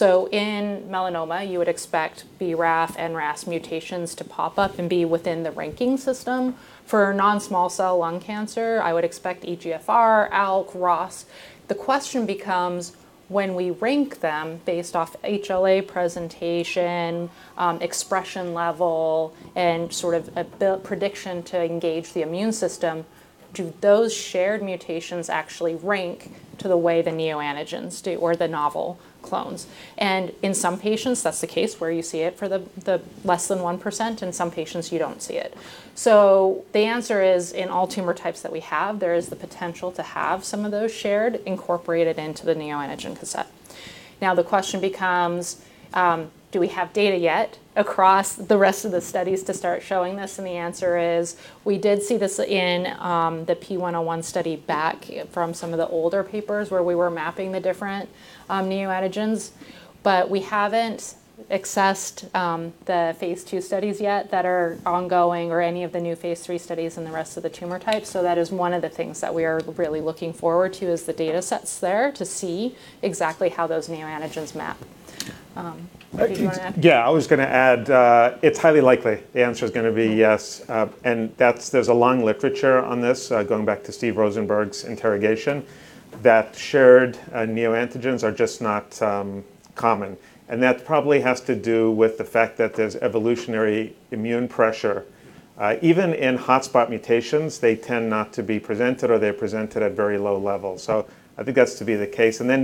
In melanoma, you would expect BRAF and RAS mutations to pop up and be within the ranking system. For non-small cell lung cancer, I would expect EGFR, ALK, ROS. The question becomes when we rank them based off HLA presentation, expression level, and a prediction to engage the immune system, do those shared mutations actually rank to the way the neoantigens do or the novel clones? In some patients, that's the case where you see it for the less than 1%, in some patients, you don't see it. The answer is, in all tumor types that we have, there is the potential to have some of those shared incorporated into the neoantigen cassette. The question becomes, do we have data yet across the rest of the studies to start showing this? The answer is, we did see this in the P101 study back from some of the older papers where we were mapping the different neoantigens, but we haven't accessed the phase II studies yet that are ongoing or any of the new phase III studies in the rest of the tumor types. That is one of the things that we are really looking forward to is the data sets there to see exactly how those neoantigens map. Do you want to add?
I was going to add, it's highly likely the answer is going to be yes. There's a long literature on this, going back to Steve Rosenberg's interrogation that shared neoantigens are just not common. That probably has to do with the fact that there's evolutionary immune pressure. Even in hotspot mutations, they tend not to be presented or they're presented at very low levels. I think that's to be the case. Then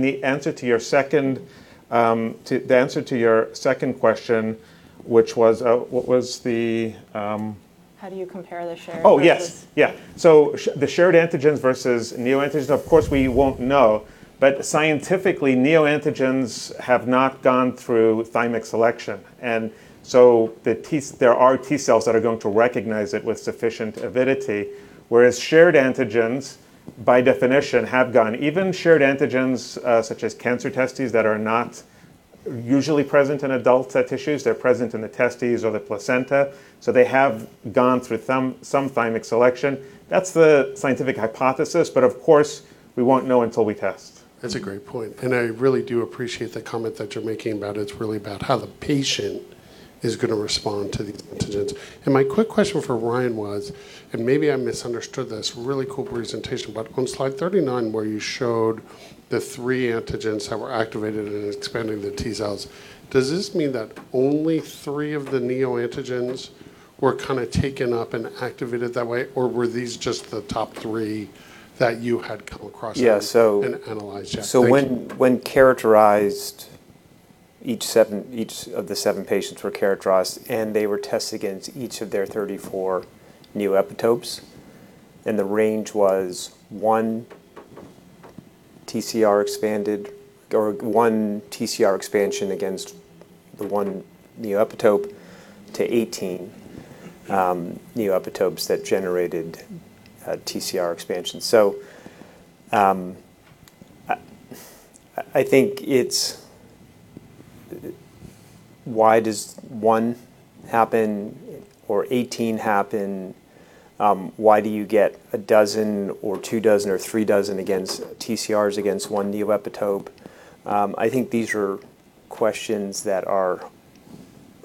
the answer to your second question, which was, what was the
How do you compare the shared versus-
Oh, yes. Yeah. The shared antigens versus neoantigens, of course, we won't know, but scientifically, neoantigens have not gone through thymic selection, and so there are T cells that are going to recognize it with sufficient avidity, whereas shared antigens, by definition, have gone. Even shared antigens such as cancer testes that are not usually present in adult tissues, they're present in the testes or the placenta, so they have gone through some thymic selection. That's the scientific hypothesis, but of course, we won't know until we test.
That's a great point. I really do appreciate the comment that you're making about it's really about how the patient is going to respond to the antigens. My quick question for Ryan was, and maybe I misunderstood this really cool presentation, but on slide 39 where you showed the three antigens that were activated in expanding the T cells, does this mean that only three of the neoantigens were taken up and activated that way, or were these just the top three that you had come across and analyzed yet? Thank you.
When characterized, each of the seven patients were characterized, and they were tested against each of their 34 neoepitopes, and the range was one TCR expansion against the one neoepitope to 18 neoepitopes that generated a TCR expansion. I think it's why does one happen or 18 happen? Why do you get a dozen or two dozen or three dozen TCRs against one neoepitope? I think these are questions that are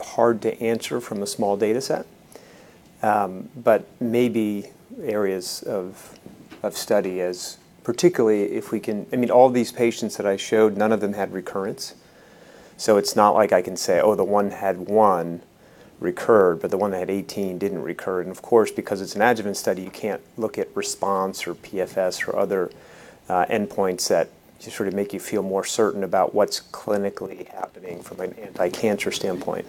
hard to answer from a small data set, but maybe areas of study, particularly if we can. All these patients that I showed, none of them had recurrence. It's not like I can say, "Oh, the one had one recur," but the one that had 18 didn't recur. Of course, because it's an adjuvant study, you can't look at response or PFS or other endpoints that just make you feel more certain about what's clinically happening from an anti-cancer standpoint.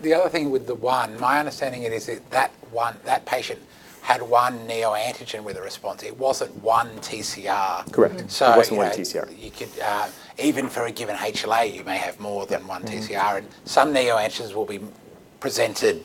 The other thing with the one, my understanding is that one, that patient had one neoantigen with a response. It wasn't one TCR.
Correct. It wasn't one TCR.
Even for a given HLA, you may have more than one TCR, and some neoantigens will be presented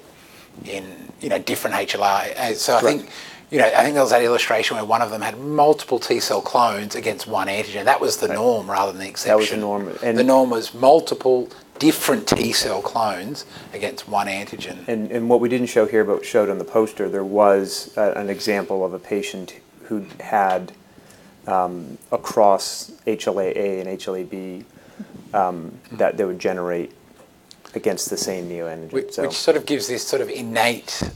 in different HLA.
Correct.
I think there was that illustration where one of them had multiple T cell clones against one antigen. That was the norm rather than the exception.
That was the norm.
The norm was multiple different T cell clones against one antigen.
What we didn't show here, but showed on the poster, there was an example of a patient who had across HLA-A and HLA-B that they would generate against the same neoantigen.
Which gives this innate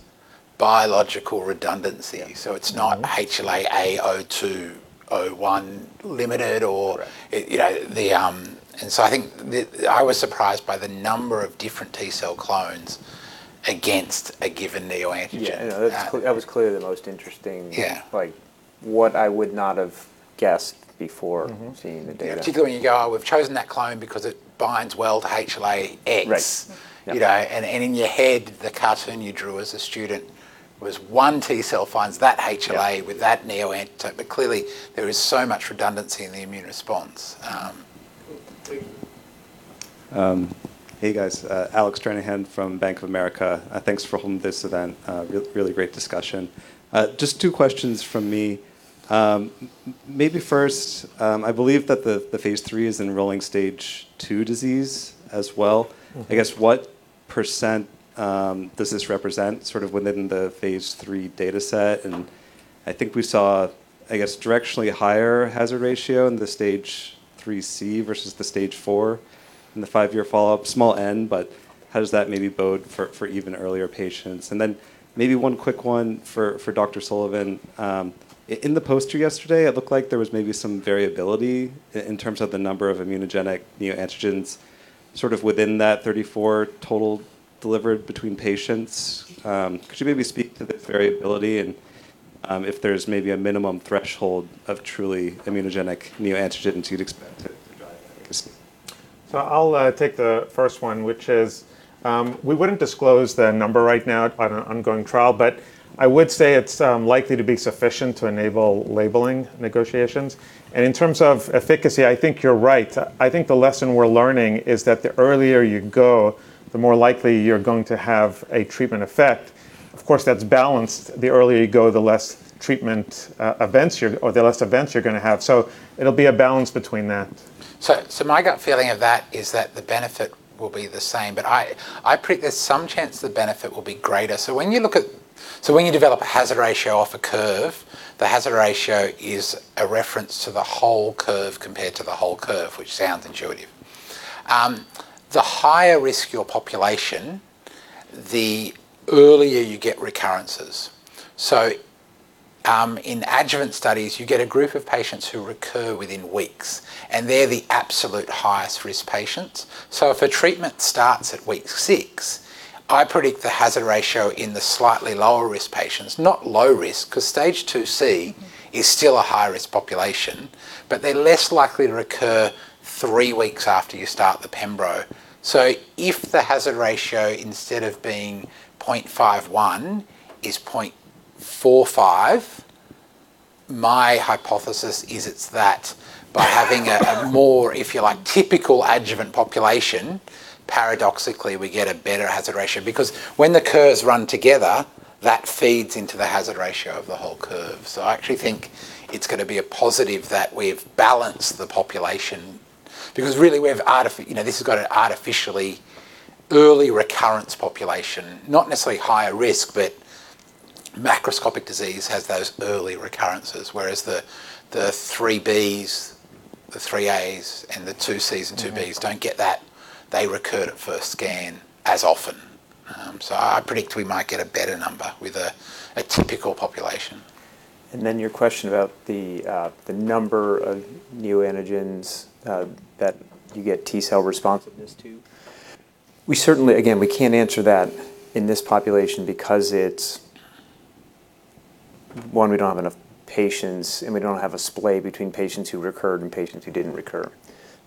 biological redundancy. It's not HLA-A*02:01 limited.
Correct.
I think I was surprised by the number of different T cell clones against a given neoantigen.
Yeah. No, that was clearly the most interesting-
Yeah
what I would not have guessed before seeing the data.
Mm-hmm. Particularly when you go, "Oh, we've chosen that clone because it binds well to HLA X.
Right. Yep.
In your head, the cartoon you drew as a student was one T cell finds that HLA with that neoantigen. Clearly, there is so much redundancy in the immune response.
Thank you.
Hey guys, Alec Stranahan from Bank of America. Thanks for holding this event. Really great discussion. Just two questions from me. Maybe first, I believe that the phase III is enrolling Stage 2 disease as well. I guess, what percent does this represent within the phase III data set? I think we saw, I guess, directionally higher hazard ratio in the Stage 3C versus the Stage 4 in the 5-year follow-up. Small n, but how does that maybe bode for even earlier patients? Then maybe one quick one for Dr. Sullivan. In the poster yesterday, it looked like there was maybe some variability in terms of the number of immunogenic neoantigens sort of within that 34 total delivered between patients. Could you maybe speak to the variability and if there's maybe a minimum threshold of truly immunogenic neoantigens you'd expect to drive efficacy?
I'll take the first one, which is, we wouldn't disclose the number right now on an ongoing trial, but I would say it's likely to be sufficient to enable labeling negotiations. In terms of efficacy, I think you're right. I think the lesson we're learning is that the earlier you go, the more likely you're going to have a treatment effect. Of course, that's balanced. The earlier you go, the less events you're going to have. It'll be a balance between that.
My gut feeling of that is that the benefit will be the same, but I predict there's some chance the benefit will be greater. When you develop a hazard ratio off a curve, the hazard ratio is a reference to the whole curve compared to the whole curve, which sounds intuitive. The higher risk your population, the earlier you get recurrences. In adjuvant studies, you get a group of patients who recur within weeks, and they're the absolute highest-risk patients. If a treatment starts at week six, I predict the hazard ratio in the slightly lower risk patients, not low risk, because stage 2C is still a high-risk population, but they're less likely to recur three weeks after you start the pembro. If the hazard ratio, instead of being 0.51, is 0.45, my hypothesis is it's that by having a more, if you like, typical adjuvant population, paradoxically, we get a better hazard ratio because when the curves run together, that feeds into the hazard ratio of the whole curve. I actually think it's going to be a positive that we've balanced the population because really this has got an artificially early recurrence population, not necessarily higher risk, but macroscopic disease has those early recurrences, whereas the 3Bs, the 3As and the 2Cs and 2Bs don't get that. They recur at first scan as often. I predict we might get a better number with a typical population.
Your question about the number of neoantigens that you get T-cell responsiveness to. We certainly, again, we can't answer that in this population because it's, one, we don't have enough patients, and we don't have a splay between patients who recurred and patients who didn't recur.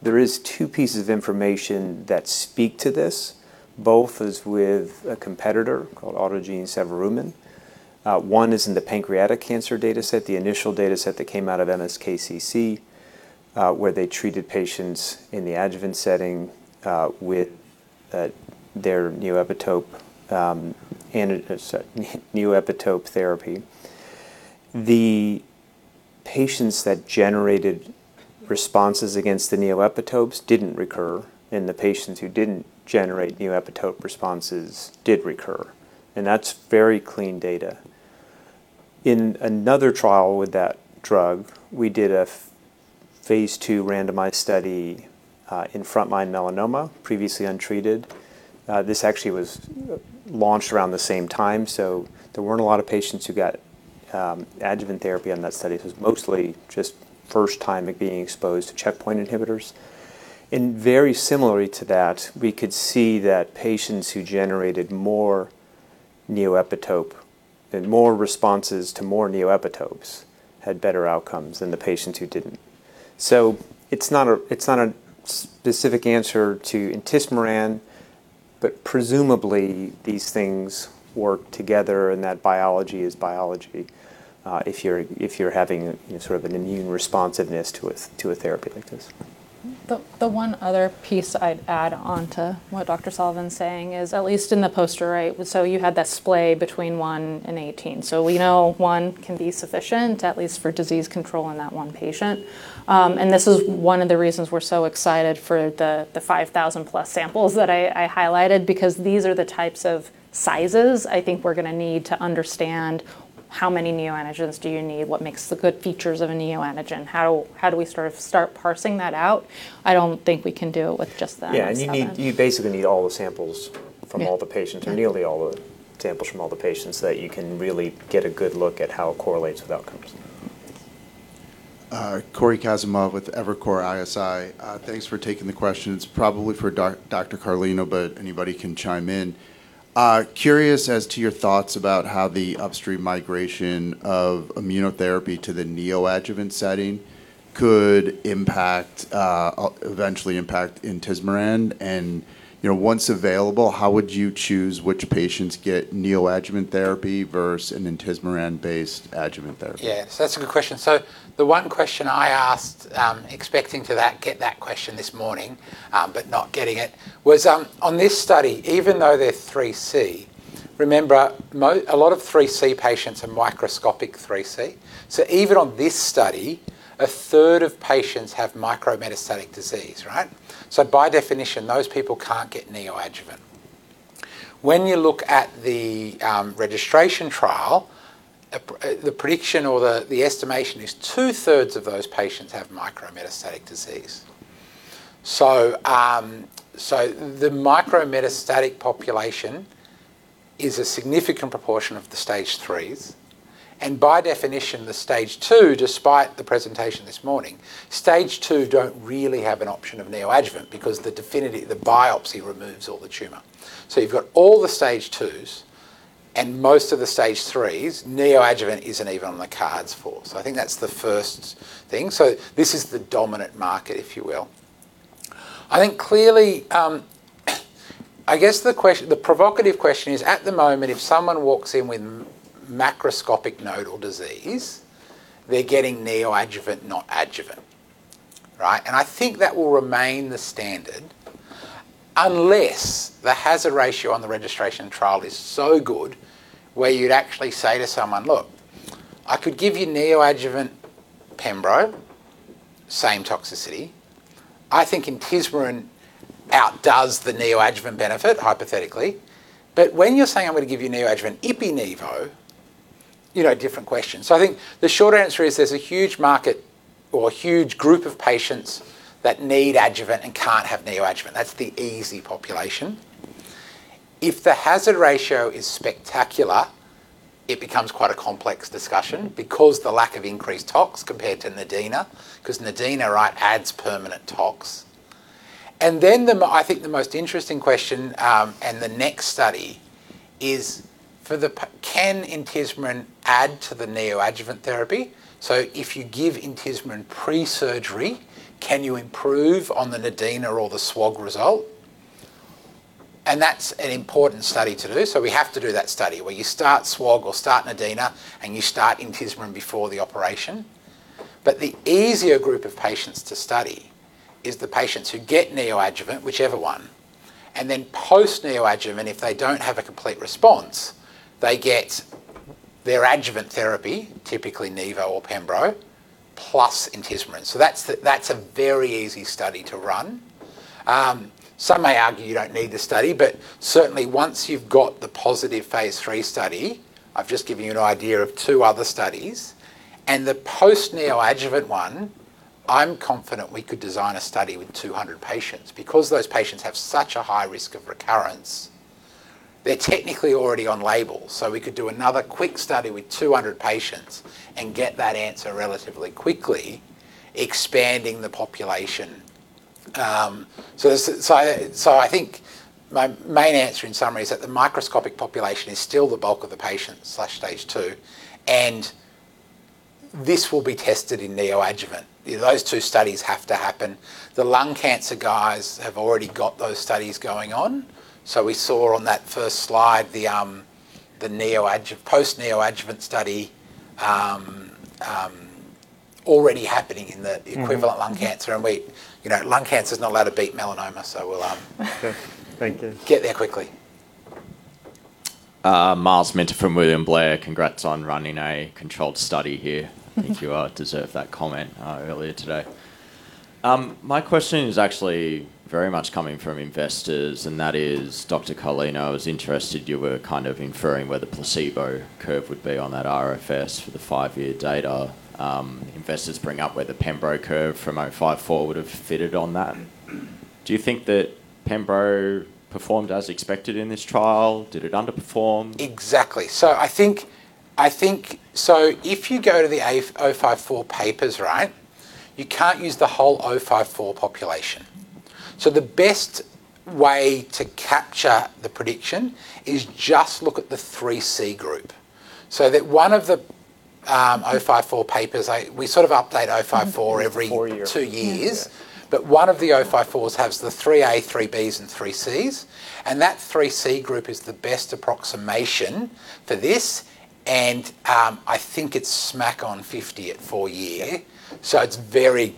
There is two pieces of information that speak to this. Both is with a competitor called autogene cevumeran. One is in the pancreatic cancer data set, the initial data set that came out of MSKCC, where they treated patients in the adjuvant setting with their neoepitope therapy. The patients that generated responses against the neoepitopes didn't recur, and the patients who didn't generate neoepitope responses did recur, and that's very clean data. In another trial with that drug, we did a phase II randomized study in front-line melanoma, previously untreated. This actually was launched around the same time, so there weren't a lot of patients who got adjuvant therapy on that study. It was mostly just first time at being exposed to checkpoint inhibitors. Very similarly to that, we could see that patients who generated more neoepitope and more responses to more neoepitopes had better outcomes than the patients who didn't. It's not a specific answer to intismeran, but presumably these things work together and that biology is biology, if you're having an immune responsiveness to a therapy like this.
The one other piece I'd add onto what Dr. Sullivan's saying is, at least in the poster, right? You had that splay between one and 18. We know one can be sufficient, at least for disease control in that one patient. This is one of the reasons we're so excited for the 5,000+ samples that I highlighted because these are the types of sizes I think we're going to need to understand how many neoantigens do you need? What makes the good features of a neoantigen? How do we start parsing that out? I don't think we can do it with just the seven.
Yeah, you basically need all the samples from all the patients or nearly all the samples from all the patients that you can really get a good look at how it correlates with outcomes.
Thanks.
Cory Kasimov with Evercore ISI. Thanks for taking the question. It's probably for Dr. Carlino, but anybody can chime in. Curious as to your thoughts about how the upstream migration of immunotherapy to the neoadjuvant setting could eventually impact intismeran. Once available, how would you choose which patients get neoadjuvant therapy versus an intismeran-based adjuvant therapy?
Yes, that's a good question. The one question I asked, expecting to get that question this morning but not getting it, was on this study, even though they're 3C, remember a lot of 3C patients are microscopic 3C. Even on this study, a third of patients have micrometastatic disease. By definition, those people can't get neoadjuvant. When you look at the registration trial, the prediction or the estimation is 2/3 of those patients have micrometastatic disease. The micrometastatic population is a significant proportion of the Stage 3s, and by definition, the Stage 2, despite the presentation this morning, Stage 2 don't really have an option of neoadjuvant because the definitive, the biopsy removes all the tumor. You've got all the Stage 2s and most of the Stage 3s, neoadjuvant isn't even on the cards for. I think that's the first thing. This is the dominant market, if you will. I think clearly, I guess the provocative question is, at the moment, if someone walks in with macroscopic nodal disease, they're getting neoadjuvant, not adjuvant. I think that will remain the standard unless the hazard ratio on the registration trial is so good where you'd actually say to someone, "Look, I could give you neoadjuvant pembro, same toxicity." I think intismeran outdoes the neoadjuvant benefit, hypothetically. When you're saying, "I'm going to give you neoadjuvant ipi/nivo," different question. I think the short answer is there's a huge market or a huge group of patients that need adjuvant and can't have neoadjuvant. That's the easy population. If the hazard ratio is spectacular, it becomes quite a complex discussion because the lack of increased tox compared to NADINA, because NADINA adds permanent tox. I think the most interesting question, the next study is for the, can intismeran add to the neoadjuvant therapy? If you give intismeran pre-surgery, can you improve on the NADINA or the SWOG result? That's an important study to do, so we have to do that study where you start SWOG or start NADINA, and you start intismeran before the operation. The easier group of patients to study is the patients who get neoadjuvant, whichever one, and then post neoadjuvant, if they don't have a complete response, they get their adjuvant therapy, typically nivo or pembro, plus intismeran. That's a very easy study to run. Some may argue you don't need the study. Certainly once you've got the positive phase III study, I've just given you an idea of two other studies, and the post-neoadjuvant one, I'm confident we could design a study with 200 patients. Those patients have such a high risk of recurrence, they're technically already on label. We could do another quick study with 200 patients and get that answer relatively quickly, expanding the population. I think my main answer in summary is that the microscopic population is still the bulk of the patients slash stage 2, and this will be tested in neoadjuvant. Those two studies have to happen. The lung cancer guys have already got those studies going on. We saw on that first slide the post-neoadjuvant study already happening in the equivalent lung cancer. Lung cancer's not allowed to beat melanoma, so we'll.
Okay. Thank you
get there quickly.
Myles Minter from William Blair. Congrats on running a controlled study here.
Thank you.
I think you deserve that comment earlier today. My question is actually very much coming from investors, Dr. Carlino, I was interested, you were kind of inferring where the placebo curve would be on that RFS for the five-year data. Investors bring up where the pembro curve from KEYNOTE-054 would've fitted on that. Do you think that pembro performed as expected in this trial? Did it underperform?
Exactly. If you go to the 054 papers, you can't use the whole 054 population. The best way to capture the prediction is just look at the 3C group. That one of the 054 papers, we sort of update 054.
Four year.
two years. One of the 054s has the 3A, 3Bs, and 3Cs, and that 3C group is the best approximation for this, and I think it's smack on 50 at four year. It's very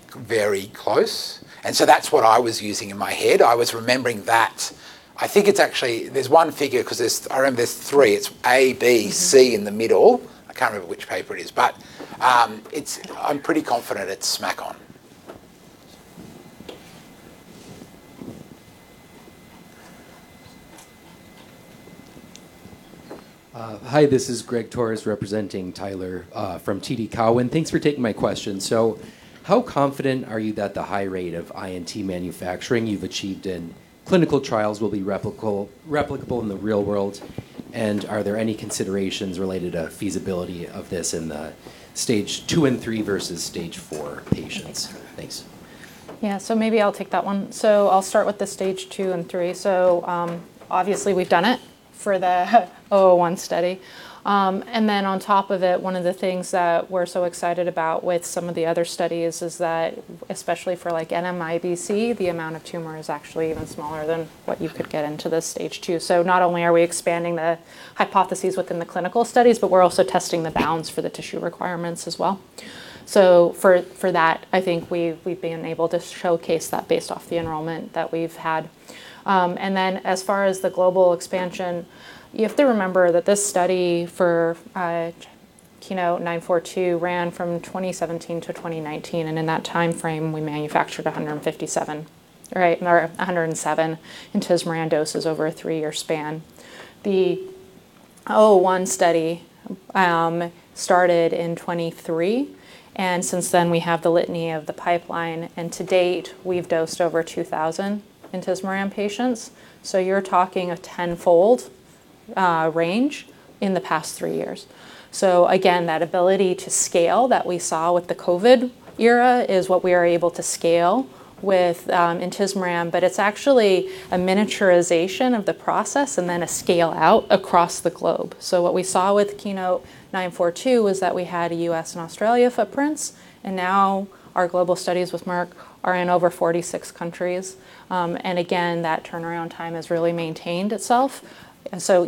close. That's what I was using in my head. I was remembering that. I think it's actually, there's one figure because there's, I remember there's three, it's A, B, C in the middle. I can't remember which paper it is, but I'm pretty confident it's smack on.
Hi, this is Greg Torres, representing Tyler from TD Cowen. Thanks for taking my question. How confident are you that the high rate of INT manufacturing you've achieved in clinical trials will be replicable in the real world? Are there any considerations related to feasibility of this in the Stage 2 and 3 versus Stage 4 patients? Thanks.
Yeah, maybe I'll take that one. I'll start with the Stage 2 and 3. Obviously we've done it for the 001 study. On top of it, one of the things that we're so excited about with some of the other studies is that, especially for like NMIBC, the amount of tumor is actually even smaller than what you could get into the Stage 2. Not only are we expanding the hypotheses within the clinical studies, but we're also testing the bounds for the tissue requirements as well. For that, I think we've been able to showcase that based off the enrollment that we've had. As far as the global expansion, you have to remember that this study for KEYNOTE-942 ran from 2017 to 2019, and in that timeframe, we manufactured 107 intismeran doses over a three-year span. The 001 study started in 2023. Since then we have the litany of the pipeline. To date, we've dosed over 2,000 intismeran patients. You're talking a 10-fold range in the past three years. Again, that ability to scale that we saw with the COVID era is what we are able to scale with intismeran. It's actually a miniaturization of the process and then a scale out across the globe. What we saw with KEYNOTE-942 was that we had a U.S. and Australia footprints, and now our global studies with Merck are in over 46 countries. Again, that turnaround time has really maintained itself.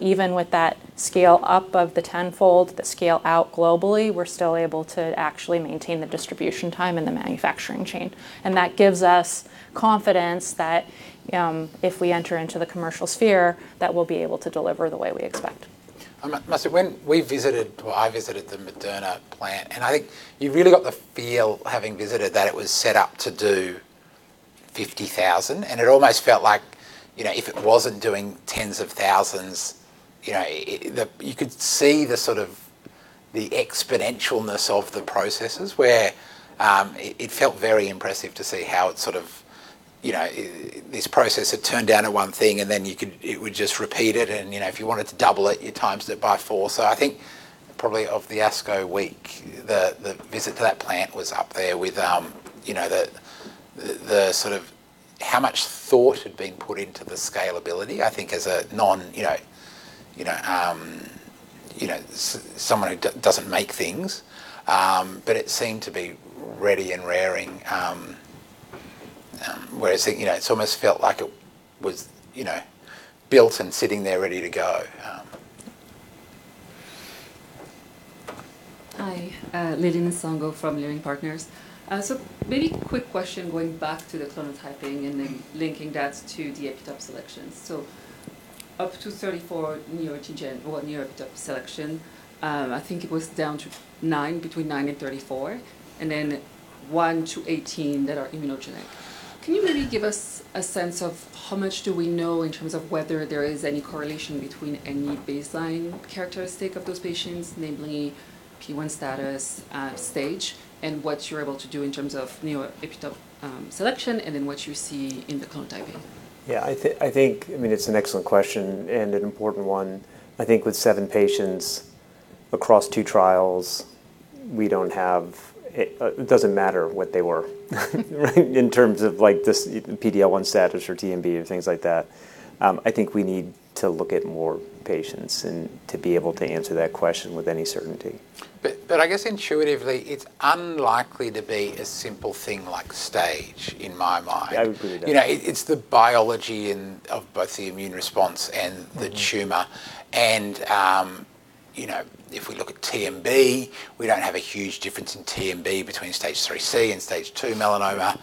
Even with that scale up of the 10-fold, the scale out globally, we're still able to actually maintain the distribution time in the manufacturing chain. That gives us confidence that if we enter into the commercial sphere, that we'll be able to deliver the way we expect.
When we visited, well, I visited the Moderna plant, and I think you really got the feel having visited that it was set up to do 50,000 and it almost felt like if it wasn't doing tens of thousands, you could see the exponentialness of the processes where it felt very impressive to see how this process had turned down at one thing and then it would just repeat it and if you wanted to double it, you times it by four. I think probably of the ASCO week, the visit to that plant was up there with how much thought had been put into the scalability, I think as someone who doesn't make things. It seemed to be ready and raring, where it almost felt like it was built and sitting there ready to go.
Hi, Lili Nsongo from Leerink Partners. Very quick question going back to the clonotyping and then linking that to the epitope selections. Up to 34 neoepitope selection, I think it was down to nine, between nine and 34, and then one to 18 that are immunogenic. Can you maybe give us a sense of how much do we know in terms of whether there is any correlation between any baseline characteristic of those patients, namely PD-L1 status, stage, and what you're able to do in terms of neoepitope selection and then what you see in the clonotyping?
Yeah, I think it's an excellent question and an important one. I think with seven patients across two trials, it doesn't matter what they were in terms of this PD-L1 status or TMB or things like that. I think we need to look at more patients and to be able to answer that question with any certainty.
I guess intuitively it's unlikely to be a simple thing like stage in my mind.
I would agree with that.
It's the biology of both the immune response and the tumor. If we look at TMB, we don't have a huge difference in TMB between stage IIIC and stage 2 melanoma.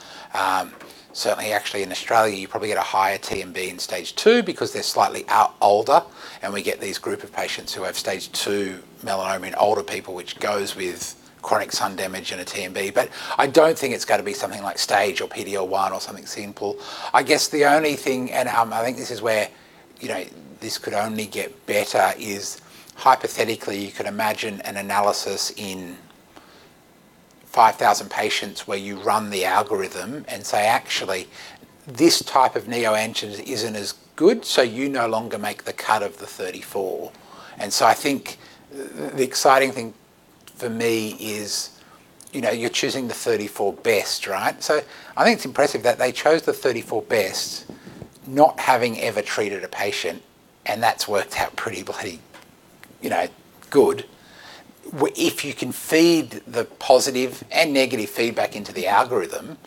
Certainly actually in Australia you probably get a higher TMB in stage 2 because they're slightly older and we get these group of patients who have stage 2 melanoma in older people, which goes with chronic sun damage and a TMB. I don't think it's got to be something like stage or PD-L1 or something simple. I guess the only thing, I think this is where this could only get better, is hypothetically you could imagine an analysis in 5,000 patients where you run the algorithm and say, "Actually, this type of neoantigen isn't as good, so you no longer make the cut of the 34." I think the exciting thing for me is you're choosing the 34 best. I think it's impressive that they chose the 34 best not having ever treated a patient and that's worked out pretty bloody good. If you can feed the positive and negative feedback into the algorithm,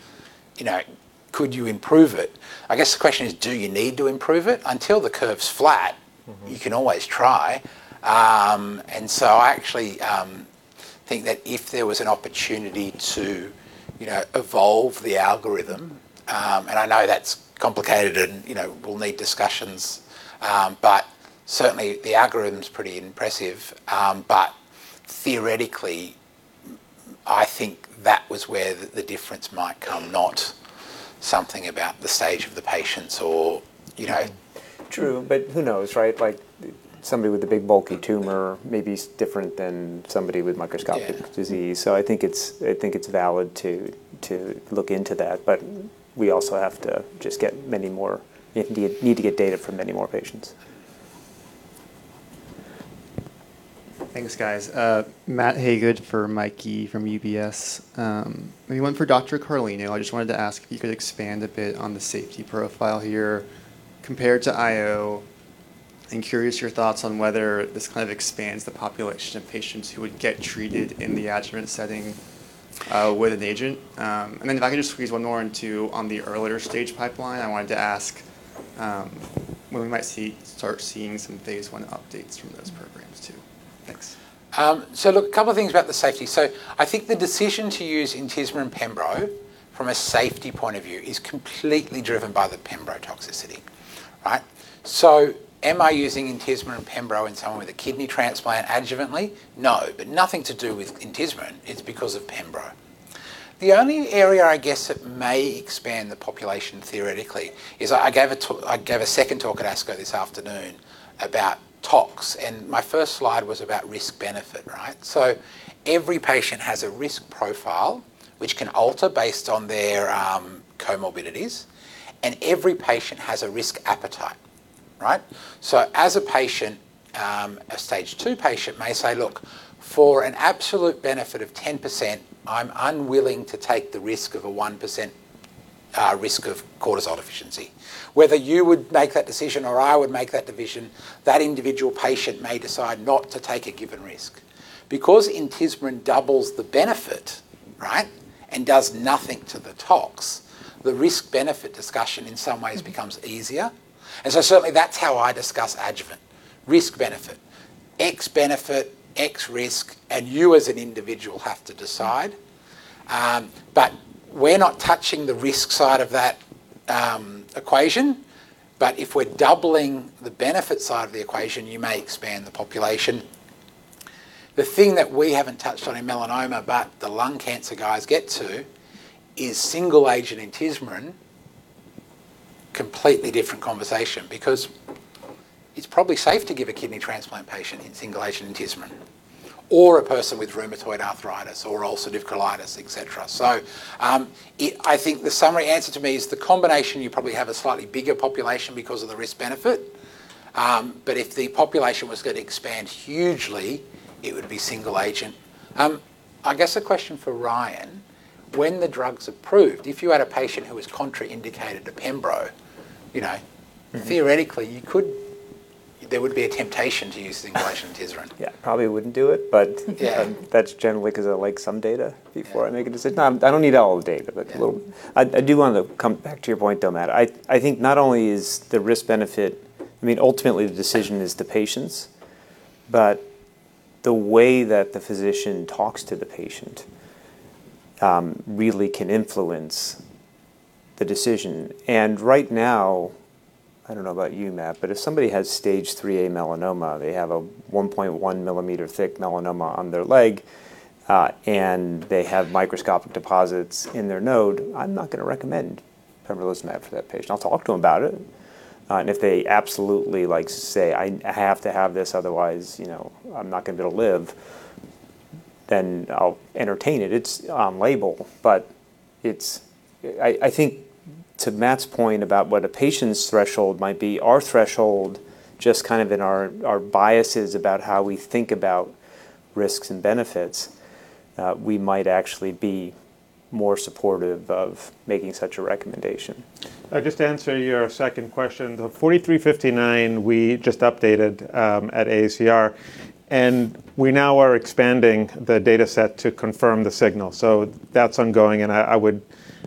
could you improve it? I guess the question is do you need to improve it? Until the curve's flat you can always try. I actually think that if there was an opportunity to evolve the algorithm, and I know that's complicated and we'll need discussions, but certainly the algorithm's pretty impressive. Theoretically, I think that was where the difference might come, not something about the stage of the patients.
True, who knows? Like somebody with a big bulky tumor may be different than somebody with microscopic disease. I think it's valid to look into that, but we also have to just need to get data from many more patients.
Thanks, guys. Matt Hagood for Michael Yee from UBS. One for Dr. Carlino. I just wanted to ask if you could expand a bit on the safety profile here compared to IO. I'm curious your thoughts on whether this kind of expands the population of patients who would get treated in the adjuvant setting with an agent. Then if I could just squeeze one more in, too, on the earlier stage pipeline, I wanted to ask when we might start seeing some phase I updates from those programs, too. Thanks.
Look, a couple of things about the safety. I think the decision to use intismeran pembrolizumab, from a safety point of view, is completely driven by the pembrolizumab toxicity. Right. Am I using intismeran pembrolizumab in someone with a kidney transplant adjuvantly? No. Nothing to do with intismeran, it's because of pembrolizumab. The only area, I guess, it may expand the population theoretically is I gave a second talk at ASCO this afternoon about tox, and my first slide was about risk benefit. Right. Every patient has a risk profile which can alter based on their comorbidities, and every patient has a risk appetite. Right. As a patient, a stage 2 patient may say, "Look, for an absolute benefit of 10%, I'm unwilling to take the risk of a 1% risk of cortisol deficiency." Whether you would make that decision or I would make that decision, that individual patient may decide not to take a given risk. intismeran doubles the benefit and does nothing to the tox, the risk-benefit discussion in some ways becomes easier. Certainly that's how I discuss adjuvant, risk-benefit. X benefit, X risk, and you as an individual have to decide. We're not touching the risk side of that equation. If we're doubling the benefit side of the equation, you may expand the population. The thing that we haven't touched on in melanoma but the lung cancer guys get to is single agent intismeran completely different conversation because it's probably safe to give a kidney transplant patient a single agent intismeran or a person with rheumatoid arthritis or ulcerative colitis, et cetera. I think the summary answer to me is the combination you probably have a slightly bigger population because of the risk benefit. If the population was going to expand hugely, it would be single agent. I guess a question for Ryan, when the drug's approved, if you had a patient who was contraindicated to pembro, theoretically there would be a temptation to use single agent intismeran.
Yeah. Probably wouldn't do it, but.
Yeah
that's generally because I like some data before I make a decision. I don't need all the data, but a little. I do want to come back to your point, though, Matt. I think not only is the risk benefit, ultimately the decision is the patient's, but the way that the physician talks to the patient really can influence the decision. Right now, I don't know about you, Matt, but if somebody has stage 3A melanoma, they have a 1.1 millimeter thick melanoma on their leg and they have microscopic deposits in their node, I'm not going to recommend pembrolizumab for that patient. I'll talk to them about it, and if they absolutely say, "I have to have this otherwise I'm not going to be able to live," then I'll entertain it. It's on label. I think to Matt's point about what a patient's threshold might be, our threshold just kind of in our biases about how we think about risks and benefits, we might actually be more supportive of making such a recommendation.
Just to answer your second question, the 4359 we just updated at AACR. We now are expanding the data set to confirm the signal. That's ongoing and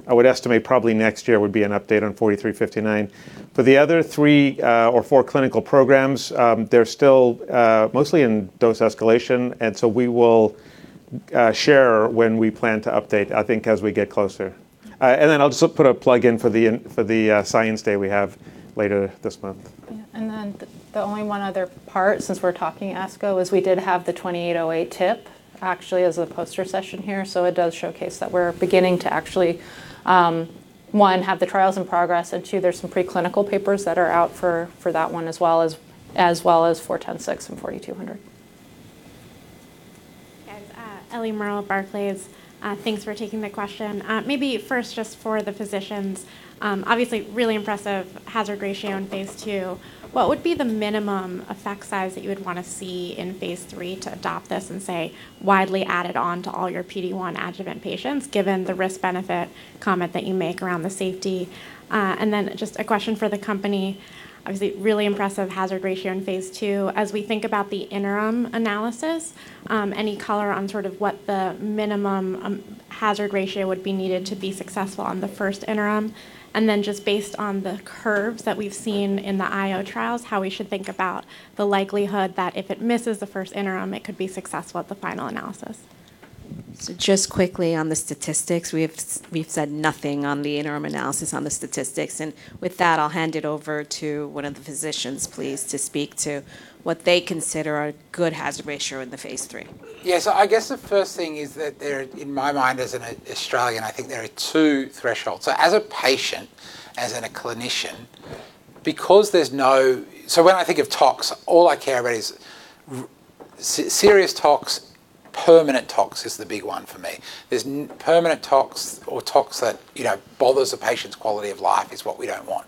I would estimate probably next year would be an update on 4359. For the other three or four clinical programs, they're still mostly in dose escalation. We will share when we plan to update, I think, as we get closer. I'll just put a plug in for the Science Day we have later this month.
Yeah. The only one other part since we're talking ASCO is we did have the 2808 TiP actually as a poster session here. It does showcase that we're beginning to actually, one, have the trials in progress, and two, there's some preclinical papers that are out for that one as well as 4106 and 4200.
Okay.
Ellie Merle, Barclays. Thanks for taking the question. Maybe first just for the physicians, obviously really impressive hazard ratio in phase II. What would be the minimum effect size that you would want to see in phase III to adopt this and say widely add it on to all your PD-1 adjuvant patients given the risk-benefit comment that you make around the safety? Then just a question for the company. Obviously, really impressive hazard ratio in phase II. As we think about the interim analysis, any color on sort of what the minimum hazard ratio would be needed to be successful on the first interim? Then just based on the curves that we've seen in the IO trials, how we should think about the likelihood that if it misses the first interim it could be successful at the final analysis.
Just quickly on the statistics, we've said nothing on the interim analysis on the statistics, and with that I'll hand it over to one of the physicians, please, to speak to what they consider a good hazard ratio in the phase III.
Yeah. I guess the first thing is that there, in my mind as an Australian, I think there are two thresholds. As a patient, as in a clinician, when I think of tox, all I care about is serious tox. Permanent tox is the big one for me. There's permanent tox or tox that bothers a patient's quality of life is what we don't want.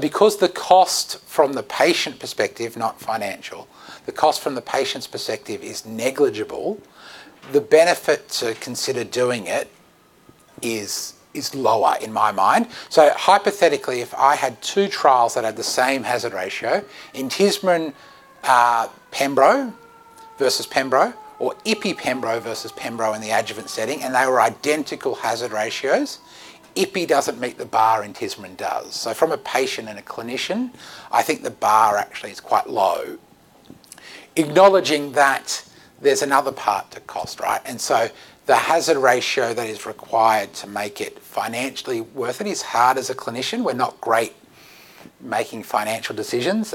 Because the cost from the patient perspective, not financial, the cost from the patient's perspective is negligible, the benefit to consider doing it is lower in my mind. Hypothetically, if I had two trials that had the same hazard ratio, intismeran pembro versus pembro, or ipi pembro versus pembro in the adjuvant setting, and they were identical hazard ratios, ipi doesn't meet the bar intismeran does. From a patient and a clinician, I think the bar actually is quite low. Acknowledging that there's another part to cost, right? The hazard ratio that is required to make it financially worth it is hard as a clinician. We're not great making financial decisions.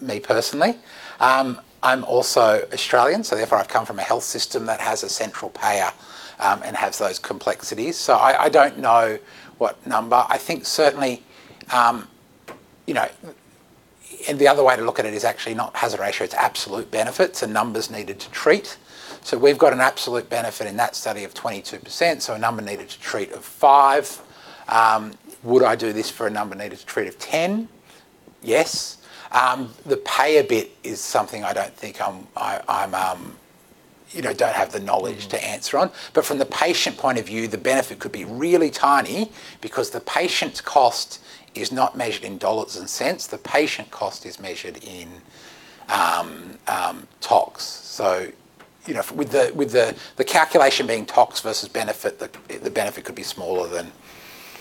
Me personally, I'm also Australian, so therefore I come from a health system that has a central payer, and has those complexities. I don't know what number. I think certainly, and the other way to look at it is actually not hazard ratio, it's absolute benefits and numbers needed to treat. We've got an absolute benefit in that study of 22%, so a number needed to treat of five. Would I do this for a number needed to treat of 10? Yes. The payer bit is something I don't have the knowledge to answer on. From the patient point of view, the benefit could be really tiny because the patient's cost is not measured in dollars and cents. The patient cost is measured in tox. With the calculation being tox versus benefit, the benefit could be smaller than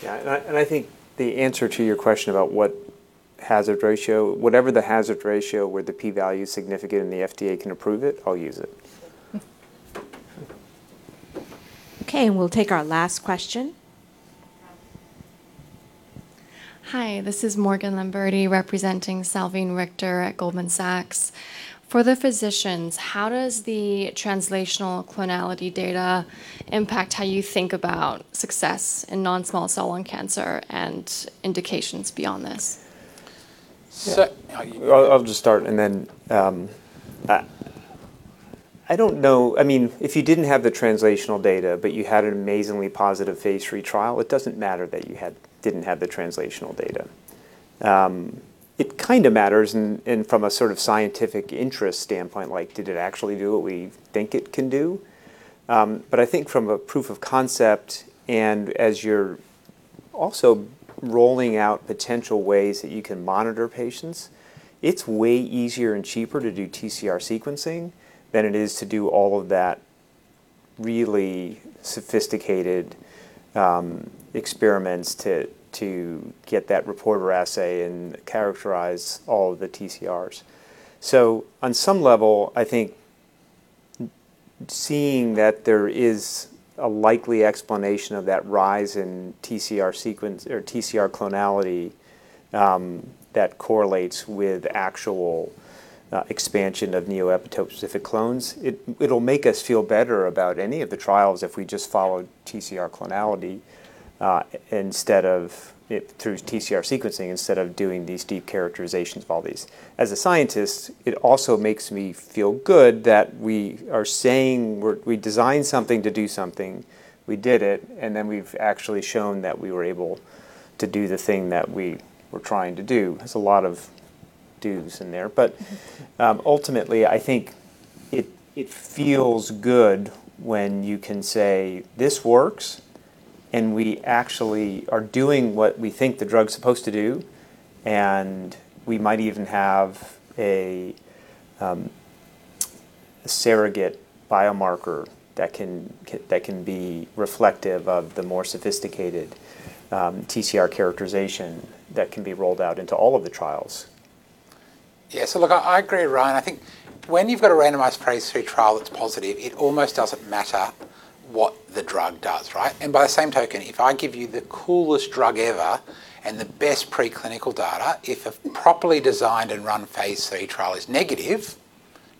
Yeah. I think the answer to your question about what hazard ratio, whatever the hazard ratio where the P value is significant and the FDA can approve it, I'll use it.
Okay. We'll take our last question.
Hi, this is Morgan Lamberti, representing Salveen Richter at Goldman Sachs. For the physicians, how does the translational clonality data impact how you think about success in non-small cell lung cancer and indications beyond this?
So-
Oh, you go.
I'll just start and then I don't know. If you didn't have the translational data, but you had an amazingly positive phase III trial, it doesn't matter that you didn't have the translational data. It kind of matters in from a sort of scientific interest standpoint, like did it actually do what we think it can do? I think from a proof of concept and as you're also rolling out potential ways that you can monitor patients, it's way easier and cheaper to do TCR sequencing than it is to do all of that really sophisticated experiments to get that reporter assay and characterize all of the TCRs. On some level, I think seeing that there is a likely explanation of that rise in TCR sequence or TCR clonality, that correlates with actual expansion of neoepitope-specific clones. It'll make us feel better about any of the trials if we just followed TCR clonality, through TCR sequencing, instead of doing these deep characterizations of all these. As a scientist, it also makes me feel good that we are saying we designed something to do something, we did it, and then we've actually shown that we were able to do the thing that we were trying to do. There's a lot of dos in there. Ultimately, I think it feels good when you can say, "This works, and we actually are doing what we think the drug's supposed to do, and we might even have a surrogate biomarker that can be reflective of the more sophisticated TCR characterization that can be rolled out into all of the trials.
Yeah. Look, I agree, Ryan. I think when you've got a randomized phase III trial that's positive, it almost doesn't matter what the drug does, right? By the same token, if I give you the coolest drug ever and the best preclinical data, if a properly designed and run phase III trial is negative,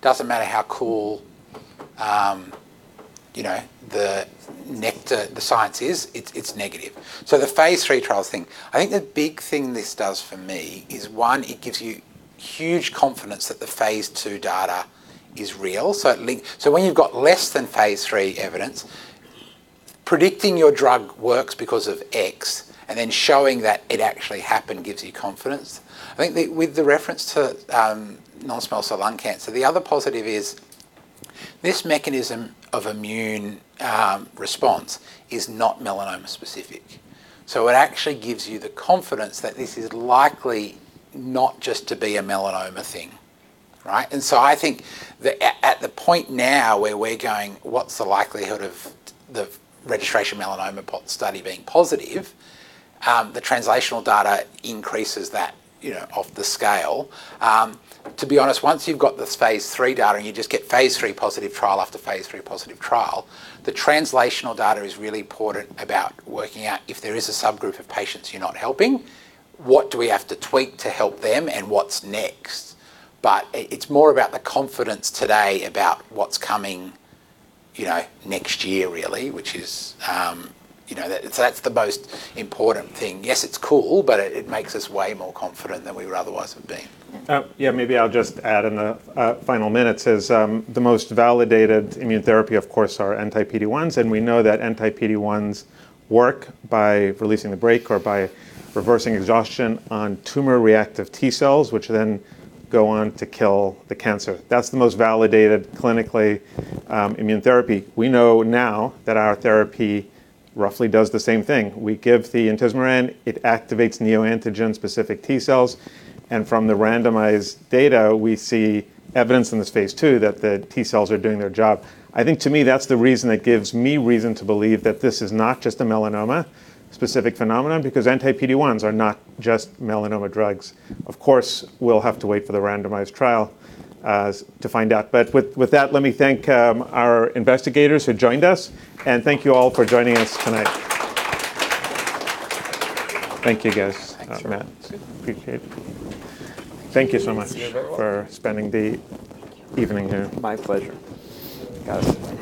doesn't matter how cool the NECTAR, the science is, it's negative. The phase III trials thing, I think the big thing this does for me is, one, it gives you huge confidence that the phase II data is real. When you've got less than phase III evidence, predicting your drug works because of X and then showing that it actually happened gives you confidence. I think with the reference to non-small cell lung cancer, the other positive is this mechanism of immune response is not melanoma specific. It actually gives you the confidence that this is likely not just to be a melanoma thing, right. I think at the point now where we're going, what's the likelihood of the registration melanoma study being positive? The translational data increases that off the scale. To be honest, once you've got this phase III data and you just get phase III positive trial after phase III positive trial, the translational data is really important about working out if there is a subgroup of patients you're not helping, what do we have to tweak to help them, and what's next. It's more about the confidence today about what's coming next year, really. That's the most important thing. Yes, it's cool, but it makes us way more confident than we otherwise would have been.
Yeah. Maybe I'll just add in the final minutes is, the most validated immunotherapy, of course, are anti-PD-1s. We know that anti-PD-1s work by releasing the brake or by reversing exhaustion on tumor-reactive T cells, which then go on to kill the cancer. That's the most validated clinically, immunotherapy. We know now that our therapy roughly does the same thing. We give the intismeran, it activates neoantigen specific T cells. From the randomized data, we see evidence in this phase II that the T cells are doing their job. I think to me, that's the reason it gives me reason to believe that this is not just a melanoma specific phenomenon. Anti-PD-1s are not just melanoma drugs. Of course, we'll have to wait for the randomized trial to find out. With that, let me thank our investigators who joined us, and thank you all for joining us tonight. Thank you, guys. Thanks, Matt. Appreciate it. Thank you so much.
You're very welcome.
For spending the evening here. My pleasure. Guys